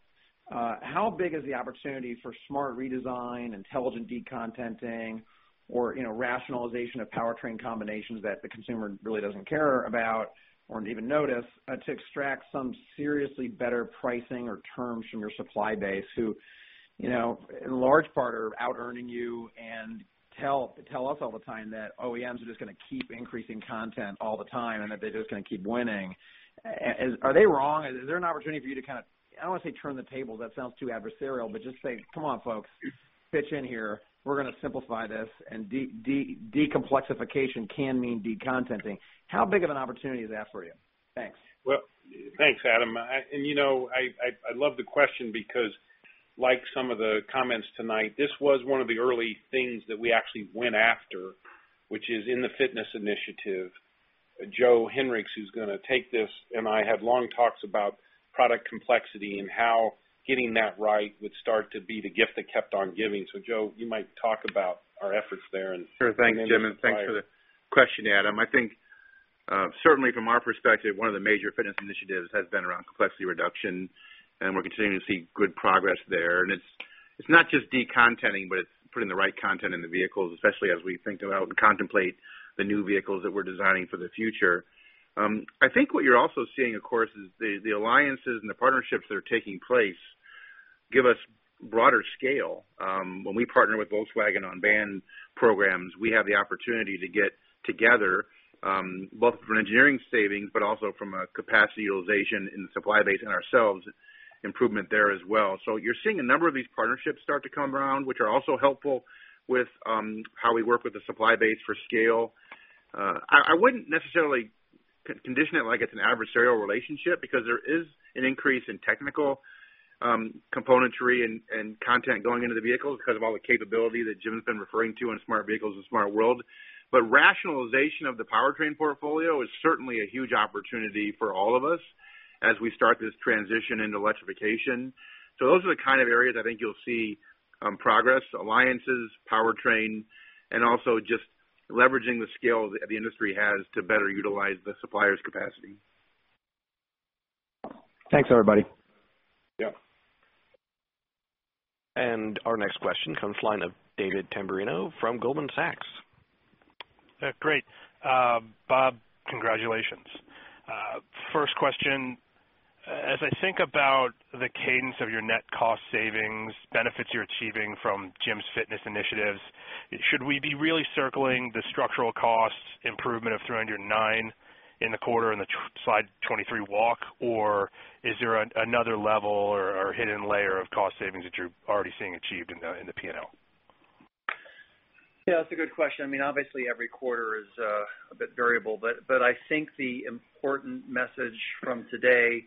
how big is the opportunity for smart redesign, intelligent de-contenting, or rationalization of powertrain combinations that the consumer really doesn't care about or wouldn't even notice to extract some seriously better pricing or terms from your supply base, who, in large part, are out-earning you and tell us all the time that OEMs are just going to keep increasing content all the time, and that they're just going to keep winning. Are they wrong? Is there an opportunity for you to kind of, I don't want to say turn the table, that sounds too adversarial, but just say, come on, folks. Pitch in here. We're going to simplify this and decomplexification can mean de-contenting. How big of an opportunity is that for you? Thanks. Well, thanks, Adam. I love the question because, like some of the comments tonight, this was one of the early things that we actually went after, which is in the fitness initiative. Joe Hinrichs, who's going to take this, and I had long talks about product complexity and how getting that right would start to be the gift that kept on giving. Joe, you might talk about our efforts there. Sure thing, Jim, thanks for the question, Adam. I think certainly from our perspective, one of the major fitness initiatives has been around complexity reduction, we're continuing to see good progress there. It's not just de-contenting, but it's putting the right content in the vehicles, especially as we think about and contemplate the new vehicles that we're designing for the future. I think what you're also seeing, of course, is the alliances and the partnerships that are taking place give us broader scale. When we partner with Volkswagen on van programs, we have the opportunity to get together, both from an engineering savings, but also from a capacity utilization in the supply base and ourselves, improvement there as well. You're seeing a number of these partnerships start to come around, which are also helpful with how we work with the supply base for scale. I wouldn't necessarily condition it like it's an adversarial relationship because there is an increase in technical componentry and content going into the vehicles because of all the capability that Jim's been referring to in smart vehicles and smart world. Rationalization of the powertrain portfolio is certainly a huge opportunity for all of us as we start this transition into electrification. Those are the kind of areas I think you'll see progress, alliances, powertrain, and also just leveraging the scale the industry has to better utilize the suppliers' capacity. Thanks, everybody. Yeah. Our next question comes line of David Tamberrino from Goldman Sachs. Great. Bob, congratulations. First question. As I think about the cadence of your net cost savings benefits you're achieving from Jim's fitness initiatives, should we be really circling the structural cost improvement of $309 million in the quarter in the slide 23 walk or is there another level or hidden layer of cost savings that you're already seeing achieved in the P&L? Yeah, that's a good question. Obviously, every quarter is a bit variable, but I think the important message from today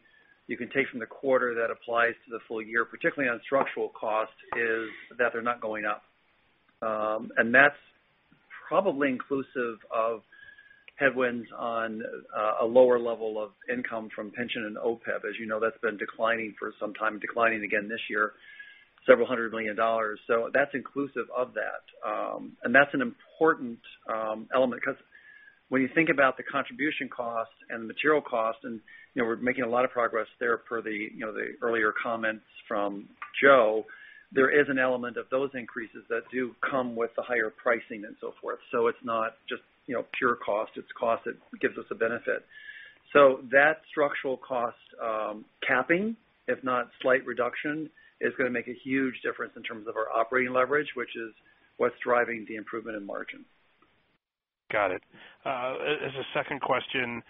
you can take from the quarter that applies to the full year, particularly on structural cost, is that they're not going up. That's probably inclusive of headwinds on a lower level of income from pension and OPEB. As you know, that's been declining for some time, declining again this year, several hundred million dollars. That's inclusive of that. That's an important element because when you think about the contribution cost and the material cost, and we're making a lot of progress there per the earlier comments from Joe, there is an element of those increases that do come with the higher pricing and so forth. It's not just pure cost, it's cost that gives us a benefit. That structural cost capping, if not slight reduction, is going to make a huge difference in terms of our operating leverage, which is what's driving the improvement in margin. Got it. As a second question,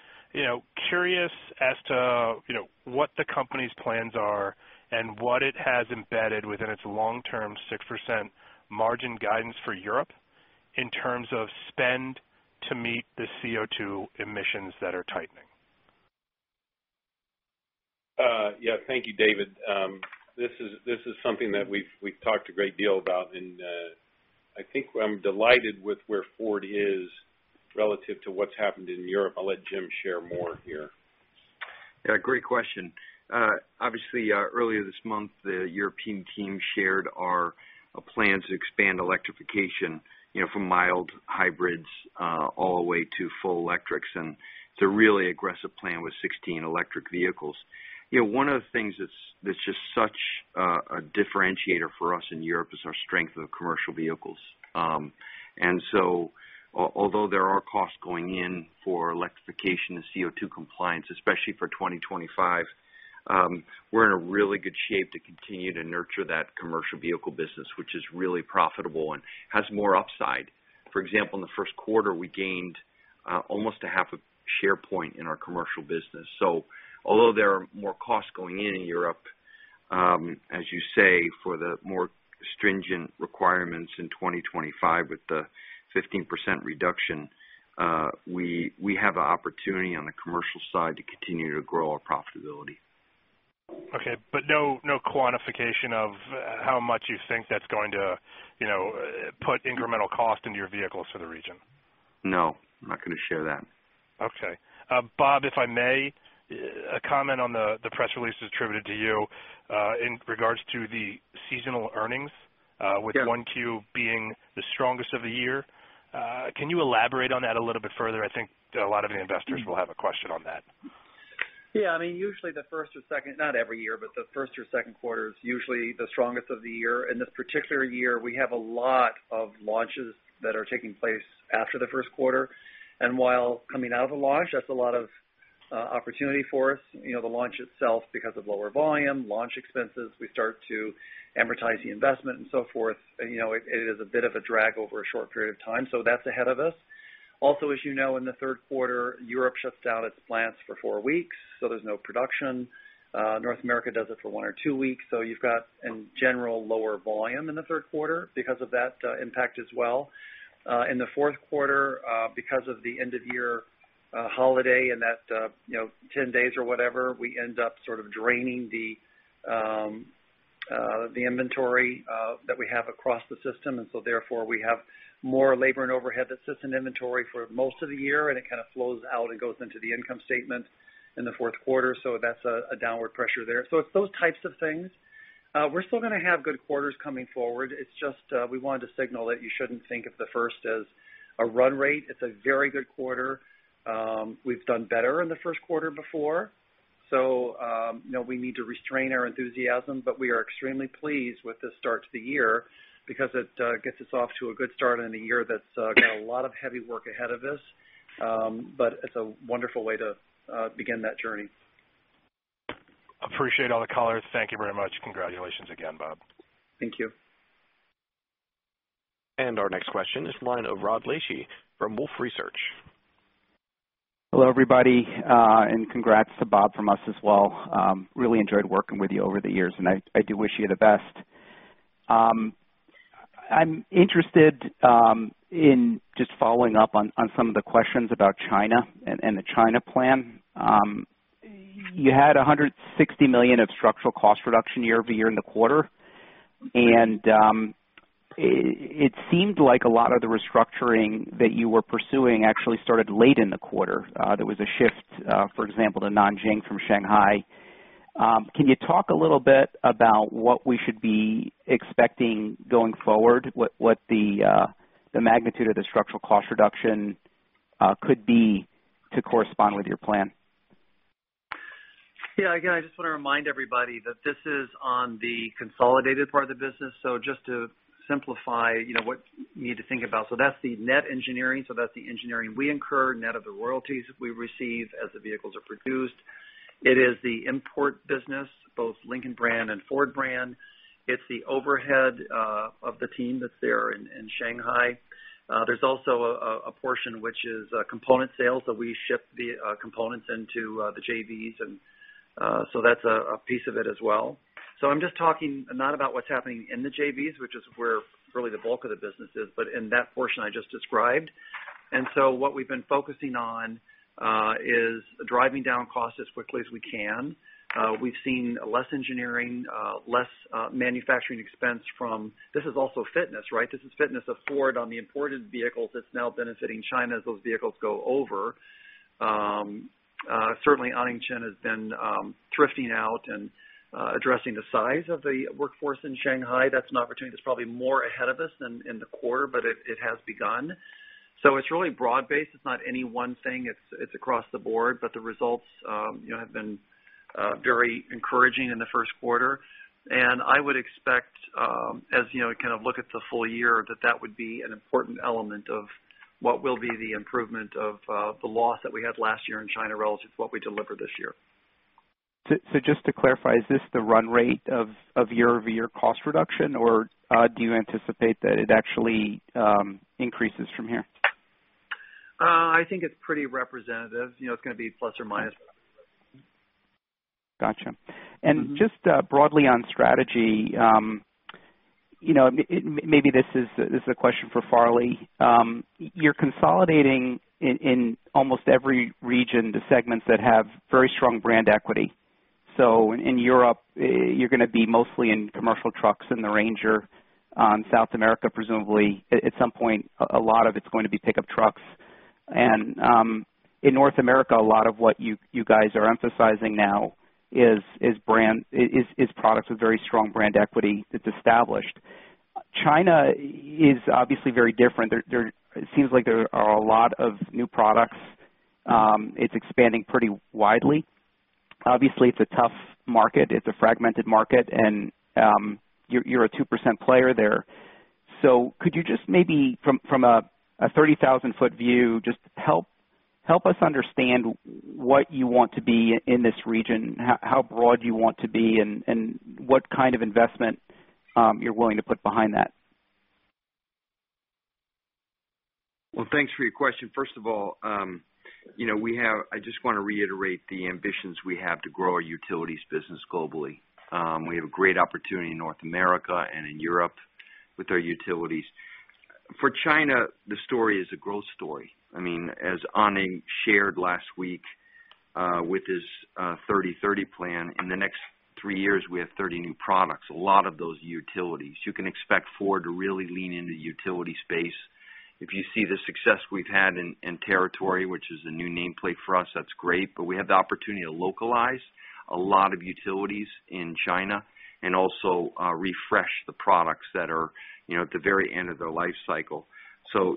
curious as to what the company's plans are and what it has embedded within its long-term 6% margin guidance for Europe in terms of spend to meet the CO2 emissions that are tightening. Thank you, David. This is something that we've talked a great deal about, and I think I'm delighted with where Ford is relative to what's happened in Europe. I'll let Jim share more here. Great question. Obviously, earlier this month, the European team shared our plans to expand electrification from mild hybrids all the way to full electrics, and it's a really aggressive plan with 16 electric vehicles. One of the things that's just such a differentiator for us in Europe is our strength of commercial vehicles. And so although there are costs going in for electrification and CO2 compliance, especially for 2025, we're in a really good shape to continue to nurture that commercial vehicle business, which is really profitable and has more upside. For example, in the first quarter, we gained almost a half a share point in our commercial business. So although there are more costs going in in Europe, as you say, for the more stringent requirements in 2025 with the 15% reduction, we have an opportunity on the commercial side to continue to grow our profitability. Okay. No quantification of how much you think that's going to put incremental cost into your vehicles for the region? No, I'm not going to share that. Okay. Bob, if I may, a comment on the press release attributed to you in regards to the seasonal earnings. With 1Q being the strongest of the year. Can you elaborate on that a little bit further? I think a lot of the investors will have a question on that. Yeah. Usually the first or second quarter is usually the strongest of the year. In this particular year, we have a lot of launches that are taking place after the first quarter. While coming out of a launch, that's a lot of opportunity for us. The launch itself, because of lower volume, launch expenses, we start to amortize the investment and so forth. It is a bit of a drag over a short period of time, so that's ahead of us. Also, as you know, in the third quarter, Europe shuts down its plants for four weeks, so there's no production. North America does it for one or two weeks. You've got in general lower volume in the third quarter because of that impact as well. In the fourth quarter, because of the end-of-year holiday and that 10 days or whatever, we end up sort of draining the inventory that we have across the system. Therefore, we have more labor and overhead that sits in inventory for most of the year, and it kind of flows out and goes into the income statement in the fourth quarter. That's a downward pressure there. It's those types of things. We're still going to have good quarters coming forward. It's just we wanted to signal that you shouldn't think of the first as a run rate. It's a very good quarter. We've done better in the first quarter before, so we need to restrain our enthusiasm. We are extremely pleased with the start to the year because it gets us off to a good start in a year that's got a lot of heavy work ahead of us. It's a wonderful way to begin that journey. Appreciate all the color. Thank you very much. Congratulations again, Bob. Thank you. Our next question is the line of Rod Lache from Wolfe Research. Hello, everybody, and congrats to Bob from us as well. Really enjoyed working with you over the years, and I do wish you the best. I'm interested in just following up on some of the questions about China and the China plan. You had $160 million of structural cost reduction year-over-year in the quarter, and it seemed like a lot of the restructuring that you were pursuing actually started late in the quarter. There was a shift, for example, to Nanjing from Shanghai. Can you talk a little bit about what we should be expecting going forward? What the magnitude of the structural cost reduction could be to correspond with your plan? Yeah. Again, I just want to remind everybody that this is on the consolidated part of the business. Just to simplify what you need to think about. That's the net engineering. That's the engineering we incur, net of the royalties we receive as the vehicles are produced. It is the import business, both Lincoln brand and Ford brand. It's the overhead of the team that's there in Shanghai. There's also a portion which is component sales that we ship the components into the JVs and so that's a piece of it as well. I'm just talking not about what's happening in the JVs, which is where really the bulk of the business is, but in that portion I just described. What we've been focusing on is driving down costs as quickly as we can. We've seen less engineering, less manufacturing expense. This is also fitness, right? This is fitness of Ford on the imported vehicles that's now benefiting China as those vehicles go over. Certainly, Anning Chen has been thrifting out and addressing the size of the workforce in Shanghai. That's an opportunity that's probably more ahead of us than in the quarter, but it has begun. It's really broad-based. It's not any one thing. It's across the board, but the results have been very encouraging in the first quarter. I would expect, as you kind of look at the full year, that that would be an important element of what will be the improvement of the loss that we had last year in China relative to what we deliver this year. Just to clarify, is this the run rate of year-over-year cost reduction, or do you anticipate that it actually increases from here? I think it's pretty representative. It's going to be plus or minus. Got you. Just broadly on strategy, maybe this is a question for Farley. You're consolidating in almost every region the segments that have very strong brand equity. In Europe, you're going to be mostly in commercial trucks in the Ranger. South America, presumably at some point, a lot of it's going to be pickup trucks. In North America, a lot of what you guys are emphasizing now is products with very strong brand equity that's established. China is obviously very different. It seems like there are a lot of new products. It's expanding pretty widely. Obviously, it's a tough market. It's a fragmented market, and you're a 2% player there. Could you just maybe from a 30,000 ft view, just help us understand what you want to be in this region, how broad you want to be, and what kind of investment you're willing to put behind that? Thanks for your question. First of all, I just want to reiterate the ambitions we have to grow our utilities business globally. We have a great opportunity in North America and in Europe with our utilities. For China, the story is a growth story. As Anning shared last week with his 30/30 plan, in the next three years, we have 30 new products, a lot of those utilities. You can expect Ford to really lean into utility space. If you see the success we've had in Territory, which is a new nameplate for us, that's great, but we have the opportunity to localize a lot of utilities in China and also refresh the products that are at the very end of their life cycle.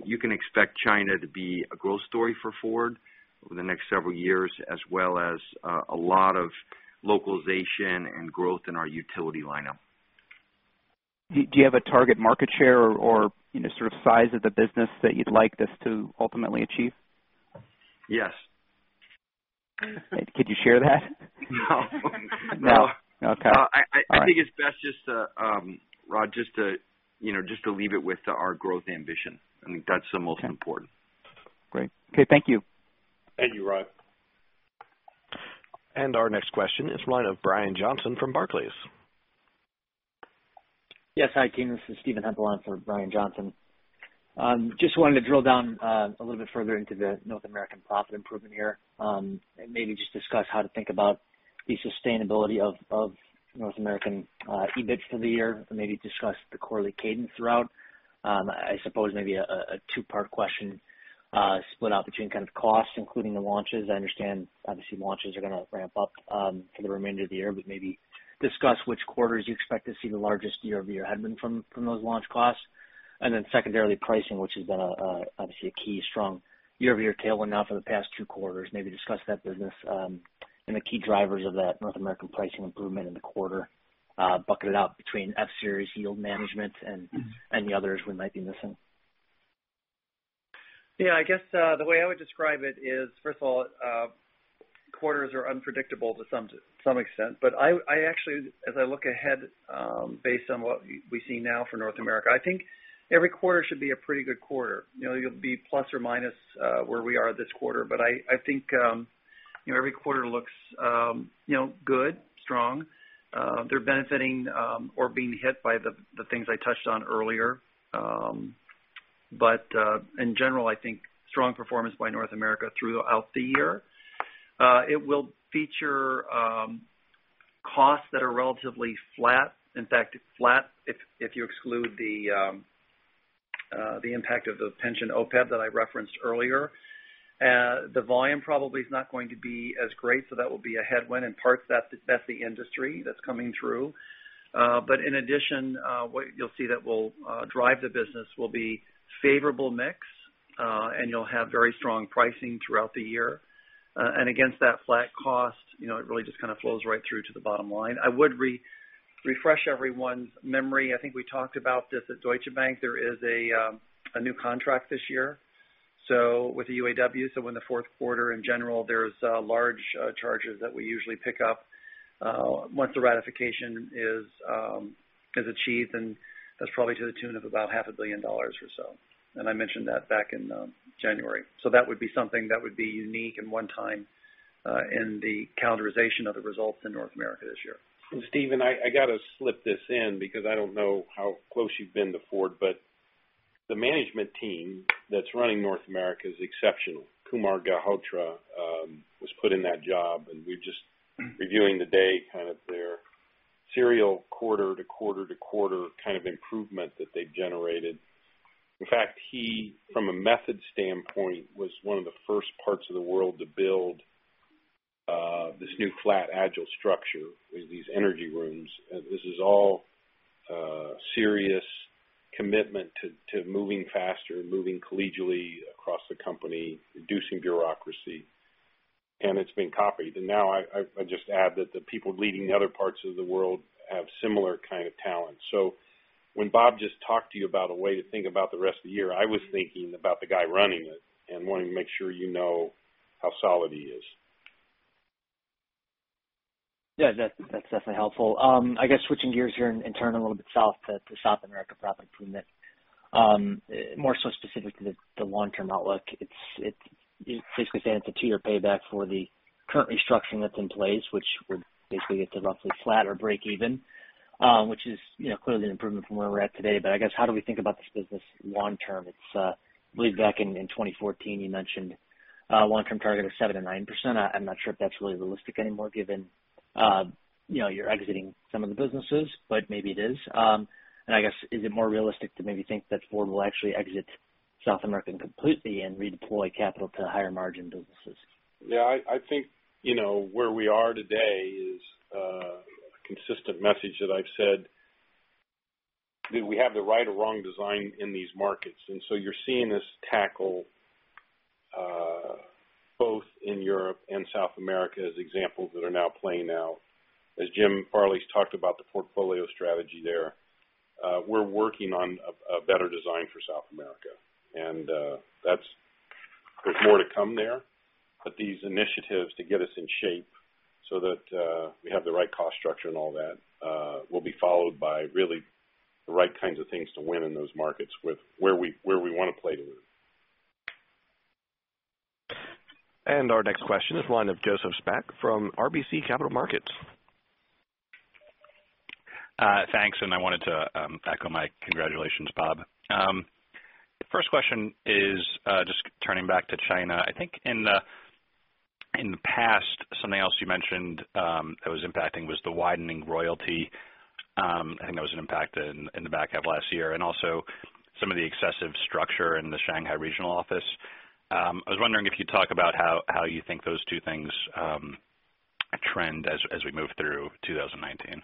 You can expect China to be a growth story for Ford over the next several years, as well as a lot of localization and growth in our utility lineup. Do you have a target market share or sort of size of the business that you'd like this to ultimately achieve? Yes. Could you share that? No. No? Okay. All right. I think it's best, Rod, just to leave it with our growth ambition. That's the most important. Great. Okay. Thank you. Thank you, Rod. Our next question is the line of Brian Johnson from Barclays. Yes. Hi, team. This is Steven Hempel in for Brian Johnson. Just wanted to drill down a little bit further into the North American profit improvement here, and maybe just discuss how to think about the sustainability of North American EBIT for the year, and maybe discuss the quarterly cadence throughout. I suppose maybe a two-part question split up between kind of costs, including the launches. I understand, obviously, launches are going to ramp up for the remainder of the year, but maybe discuss which quarters you expect to see the largest year-over-year headwind from those launch costs. Secondarily, pricing, which has been obviously a key strong year-over-year tailwind now for the past two quarters. Maybe discuss that business and the key drivers of that North American pricing improvement in the quarter, bucketed out between F-Series yield management and the others we might be missing. Yeah, I guess, the way I would describe it is, first of all, quarters are unpredictable to some extent. I actually, as I look ahead, based on what we see now for North America, I think every quarter should be a pretty good quarter. You'll be plus or minus where we are this quarter. I think every quarter looks good, strong. They're benefiting or being hit by the things I touched on earlier. In general, I think strong performance by North America throughout the year. It will feature costs that are relatively flat. In fact, it's flat if you exclude the impact of the pension OPEB that I referenced earlier. The volume probably is not going to be as great, so that will be a headwind. In parts, that's the industry that's coming through. In addition, what you'll see that will drive the business will be favorable mix, you'll have very strong pricing throughout the year. Against that flat cost, it really just kind of flows right through to the bottom line. I would refresh everyone's memory. I think we talked about this at Deutsche Bank. There is a new contract this year with the UAW. In the fourth quarter, in general, there's large charges that we usually pick up once the ratification is achieved, and that's probably to the tune of about $500 million dollars or so. I mentioned that back in January. That would be something that would be unique and one time in the calendarization of the results in North America this year. Steven, I got to slip this in because I don't know how close you've been to Ford, but the management team that's running North America is exceptional. Kumar Galhotra was put in that job, we were just reviewing today kind of their serial quarter to quarter to quarter kind of improvement that they've generated. He, from a method standpoint, was one of the first parts of the world to build this new flat, agile structure with these energy rooms. This is all serious commitment to moving faster, moving collegially across the company, reducing bureaucracy, it's been copied. Now I'd just add that the people leading the other parts of the world have similar kind of talent. When Bob just talked to you about a way to think about the rest of the year, I was thinking about the guy running it and wanting to make sure you know how solid he is. That's definitely helpful. I guess, switching gears here and turning a little bit south to South America profit improvement. More so specific to the long-term outlook. You basically say it's a two-year payback for the current restructuring that's in place, which would basically get to roughly flat or break even, which is clearly an improvement from where we're at today. I guess, how do we think about this business long term? I believe back in 2014, you mentioned a long-term target of 7%-9%. I'm not sure if that's really realistic anymore given you're exiting some of the businesses, but maybe it is. I guess, is it more realistic to maybe think that Ford will actually exit South America completely and redeploy capital to higher margin businesses? Yeah, I think where we are today is a consistent message that I've said. Do we have the right or wrong design in these markets? You're seeing this tackle both in Europe and South America as examples that are now playing out. As Jim Farley's talked about the portfolio strategy there, we're working on a better design for South America. There's more to come there. These initiatives to get us in shape so that we have the right cost structure and all that will be followed by really the right kinds of things to win in those markets with where we want to play to win. Our next question is the line of Joseph Spak from RBC Capital Markets. Thanks, I wanted to echo my congratulations, Bob. First question is just turning back to China. I think in the past, something else you mentioned that was impacting was the widening royalty. I think that was an impact in the back half of last year. Also some of the excessive structure in the Shanghai regional office. I was wondering if you'd talk about how you think those two things trend as we move through 2019.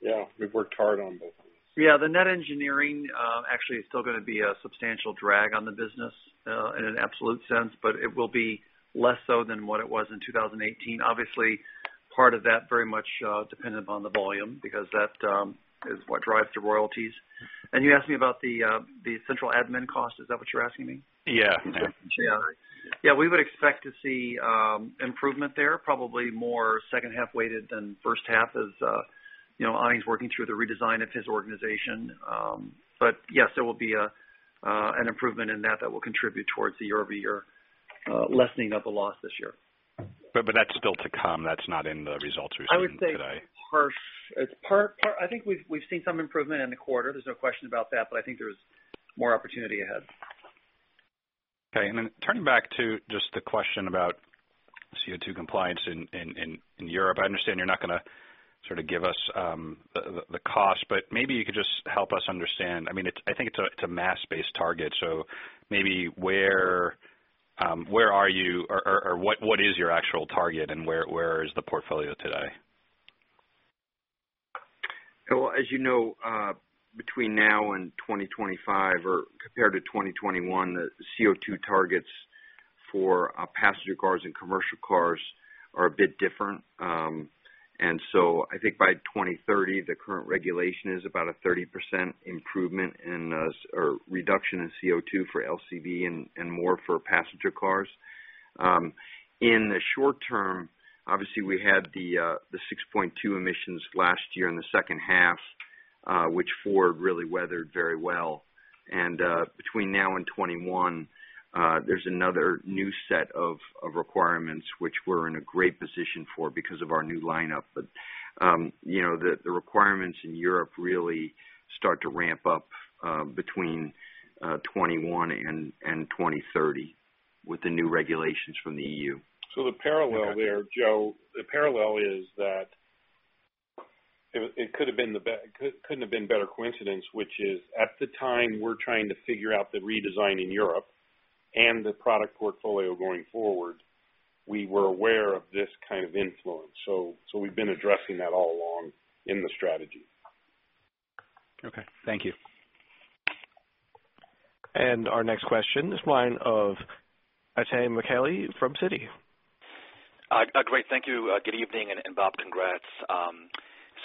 Yeah. We've worked hard on both of those. Yeah, the net engineering actually is still going to be a substantial drag on the business in an absolute sense, but it will be less so than what it was in 2018. Part of that is very much dependent upon the volume, because that is what drives the royalties. You asked me about the central admin cost. Is that what you're asking me? Yeah. Yeah. We would expect to see improvement there, probably more second half weighted than first half as Anning's working through the redesign of his organization. Yes, there will be an improvement in that will contribute towards the year-over-year lessening of the loss this year. That's still to come. That's not in the results we've seen today. I would say it's part. I think we've seen some improvement in the quarter. There's no question about that, I think there's more opportunity ahead. Okay. Turning back to just the question about CO2 compliance in Europe. I understand you're not going to sort of give us the cost, but maybe you could just help us understand. I think it's a mass-based target, so maybe where are you, or what is your actual target and where is the portfolio today? Well, as you know, between now and 2025 or compared to 2021, the CO2 targets for passenger cars and commercial cars are a bit different. I think by 2030, the current regulation is about a 30% improvement in, or reduction in CO2 for LCV and more for passenger cars. In the short term, obviously we had the 6.2 emissions last year in the second half, which Ford really weathered very well. Between now and 2021, there's another new set of requirements which we're in a great position for because of our new lineup. The requirements in Europe really start to ramp up between 2021 and 2030 with the new regulations from the EU. The parallel there, Joe, the parallel is that it couldn't have been better coincidence, which is at the time we're trying to figure out the redesign in Europe and the product portfolio going forward. We were aware of this kind of influence. We've been addressing that all along in the strategy. Okay. Thank you. Our next question is line of Itay Michaeli from Citi. Great. Thank you. Good evening. Bob, congrats.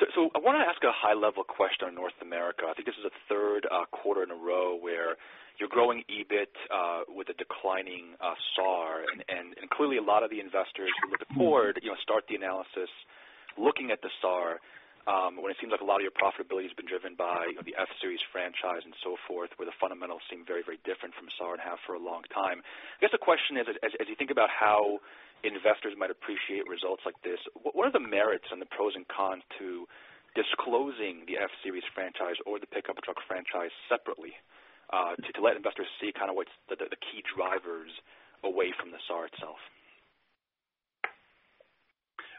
I want to ask a high-level question on North America. I think this is the third quarter in a row where you're growing EBIT with a declining SAAR and clearly a lot of the investors who look at Ford start the analysis looking at the SAAR, when it seems like a lot of your profitability has been driven by the F-Series franchise and so forth, where the fundamentals seem very, very different from SAAR and have for a long time. I guess the question is, as you think about how investors might appreciate results like this, what are the merits and the pros and cons to disclosing the F-Series franchise or the pickup truck franchise separately, to let investors see kind of what's the key drivers away from the SAAR itself?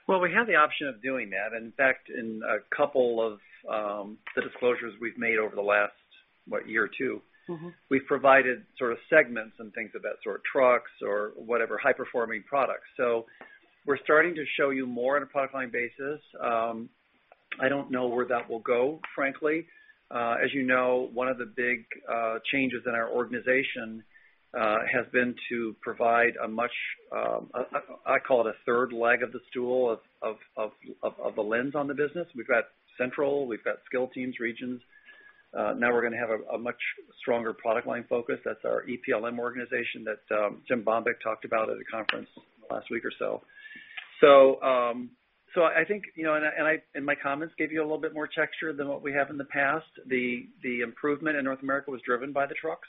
We have the option of doing that. In fact, in a couple of the disclosures we've made over the last, what, year or two. We've provided sort of segments and things of that sort, trucks or whatever high-performing products. We're starting to show you more on a product line basis. I don't know where that will go, frankly. As you know, one of the big changes in our organization has been to provide a much, I call it a third leg of the stool of the lens on the business. We've got central, we've got skill teams, regions. Now we're going to have a much stronger product line focus. That's our EPLM organization that Jim Baumbick talked about at a conference last week or so. I think, and my comments gave you a little bit more texture than what we have in the past. The improvement in North America was driven by the trucks.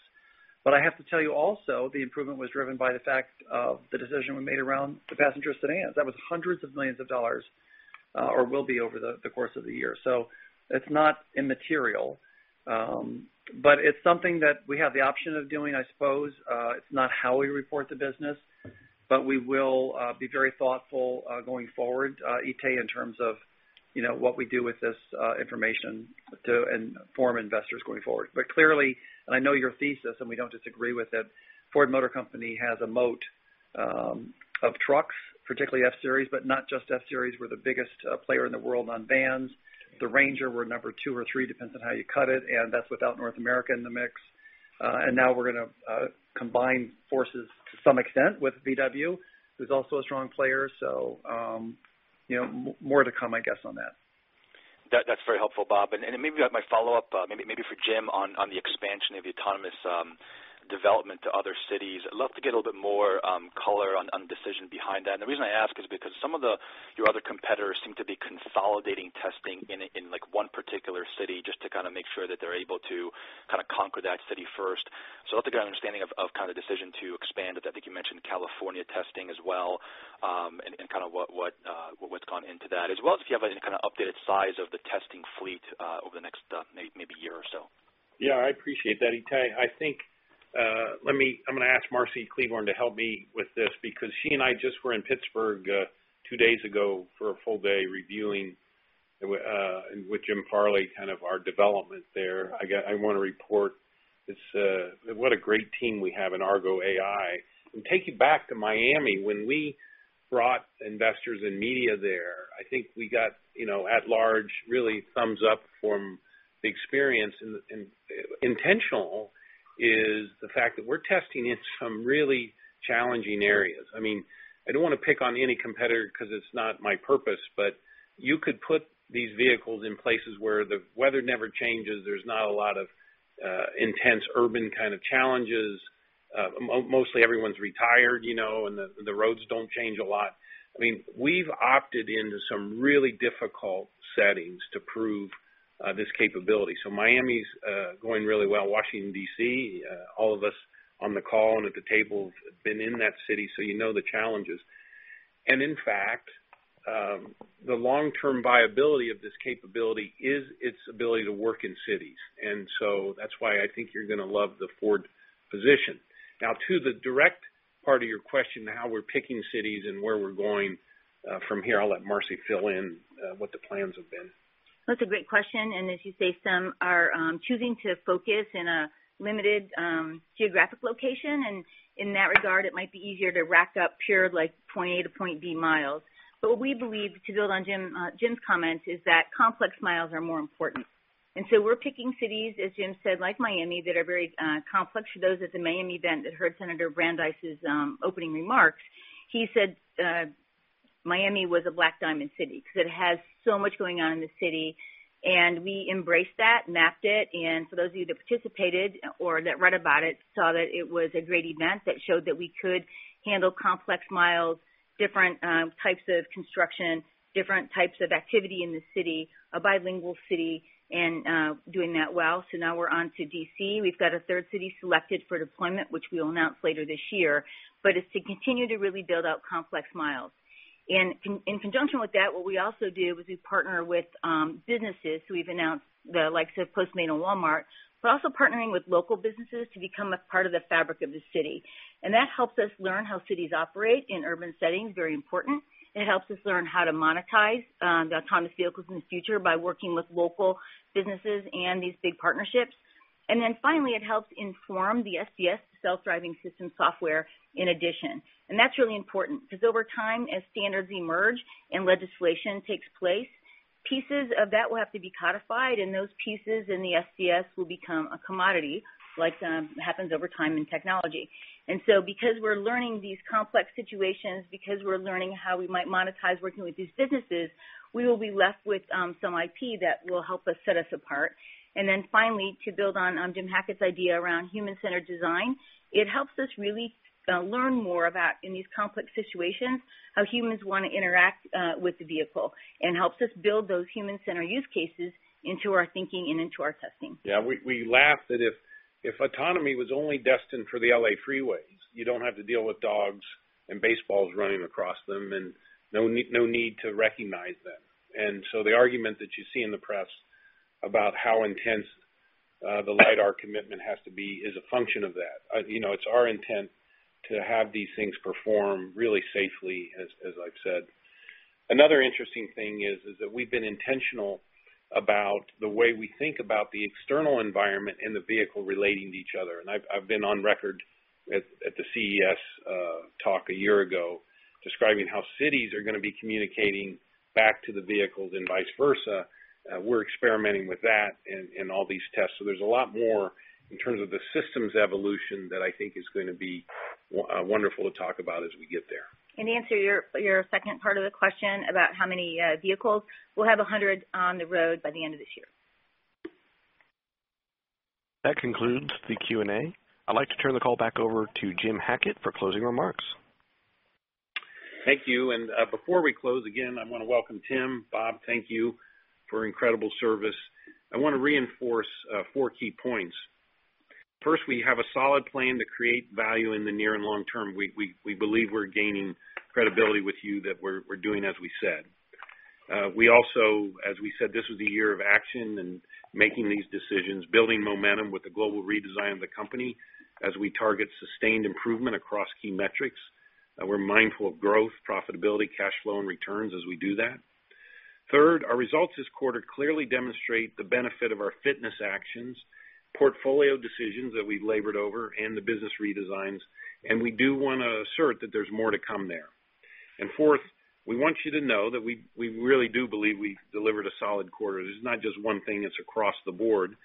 I have to tell you also, the improvement was driven by the fact of the decision we made around the passenger sedans. That was hundreds of millions of dollars, or will be over the course of the year. It's not immaterial. It's something that we have the option of doing, I suppose. It's not how we report the business, but we will be very thoughtful going forward, Itay, in terms of what we do with this information to inform investors going forward. Clearly, and I know your thesis and we don't disagree with it, Ford Motor Company has a moat of trucks, particularly F-Series, but not just F-Series. We're the biggest player in the world on vans. The Ranger, we're number two or three, depends on how you cut it, and that's without North America in the mix. Now we're going to combine forces to some extent with VW, who's also a strong player. More to come, I guess, on that. That's very helpful, Bob. Maybe my follow-up, maybe for Jim on the expansion of the autonomous development to other cities. I'd love to get a little bit more color on decision behind that. The reason I ask is because some of your other competitors seem to be consolidating testing in one particular city just to kind of make sure that they're able to kind of conquer that city first. I'd love to get an understanding of kind of decision to expand it. I think you mentioned California testing as well, and kind of what's gone into that, as well as if you have any kind of updated size of the testing fleet over the next maybe year or so. I appreciate that, Itay. I'm going to ask Marcy Klevorn to help me with this because she and I just were in Pittsburgh two days ago for a full day reviewing with Jim Farley kind of our development there. I want to report what a great team we have in Argo AI. Take you back to Miami, when we brought investors and media there, I think we got at large, really thumbs up from the experience. Intentional is the fact that we're testing in some really challenging areas. I don't want to pick on any competitor because it's not my purpose, but you could put these vehicles in places where the weather never changes, there's not a lot of intense urban kind of challenges. Mostly everyone's retired, and the roads don't change a lot. We've opted into some really difficult settings to prove this capability. Miami's going really well. Washington, D.C., all of us on the call and at the table have been in that city, so you know the challenges. In fact, the long-term viability of this capability is its ability to work in cities. That's why I think you're going to love the Ford position. Now, to the direct part of your question, how we're picking cities and where we're going from here, I'll let Marcy fill in what the plans have been. That's a great question, as you say, some are choosing to focus in a limited geographic location. In that regard, it might be easier to rack up pure point A to point B miles. What we believe, to build on Jim's comments, is that complex miles are more important. We're picking cities, as Jim said, like Miami, that are very complex. For those at the Miami event that heard Senator Brandes' opening remarks, he said Miami was a black diamond city because it has so much going on in the city. We embraced that, mapped it, and for those of you that participated or that read about it, saw that it was a great event that showed that we could handle complex miles, different types of construction, different types of activity in the city, a bilingual city, and doing that well. Now we're on to D.C. We've got a third city selected for deployment, which we'll announce later this year. It's to continue to really build out complex miles. In conjunction with that, what we also do is we partner with businesses, so we've announced the likes of Postmates and Walmart. We're also partnering with local businesses to become a part of the fabric of the city. That helps us learn how cities operate in urban settings, very important. It helps us learn how to monetize the autonomous vehicles in the future by working with local businesses and these big partnerships. Finally, it helps inform the SDS, the Self-Driving System software, in addition. That's really important because over time, as standards emerge and legislation takes place, pieces of that will have to be codified, and those pieces in the SDS will become a commodity, like happens over time in technology. Because we're learning these complex situations, because we're learning how we might monetize working with these businesses, we will be left with some IP that will help us set us apart. Finally, to build on Jim Hackett's idea around human-centered design, it helps us really learn more about, in these complex situations, how humans want to interact with the vehicle and helps us build those human-centered use cases into our thinking and into our testing. Yeah, we laugh that if autonomy was only destined for the L.A. freeways, you don't have to deal with dogs and baseballs running across them, and no need to recognize them. The argument that you see in the press about how intense the LIDAR commitment has to be is a function of that. It's our intent to have these things perform really safely, as I've said. Another interesting thing is that we've been intentional about the way we think about the external environment and the vehicle relating to each other. I've been on record at the CES talk a year ago describing how cities are going to be communicating back to the vehicles and vice versa. We're experimenting with that in all these tests. There's a lot more in terms of the systems evolution that I think is going to be wonderful to talk about as we get there. To answer your second part of the question about how many vehicles, we'll have 100 on the road by the end of this year. That concludes the Q&A. I'd like to turn the call back over to Jim Hackett for closing remarks. Thank you. Before we close, again, I want to welcome Tim. Bob, thank you for incredible service. I want to reinforce four key points. First, we have a solid plan to create value in the near and long term. We believe we're gaining credibility with you that we're doing as we said. We also, as we said, this was the year of action and making these decisions, building momentum with the global redesign of the company as we target sustained improvement across key metrics. We're mindful of growth, profitability, cash flow, and returns as we do that. Third, our results this quarter clearly demonstrate the benefit of our fitness actions, portfolio decisions that we've labored over, and the business redesigns, and we do want to assert that there's more to come there. Fourth, we want you to know that we really do believe we've delivered a solid quarter. This is not just one thing, it's across the board.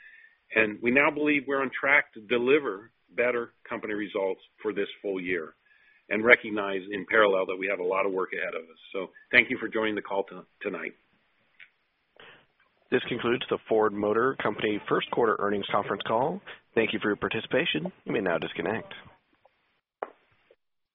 We now believe we're on track to deliver better company results for this full year and recognize in parallel that we have a lot of work ahead of us. Thank you for joining the call tonight. This concludes the Ford Motor Company first quarter earnings conference call. Thank you for your participation. You may now disconnect.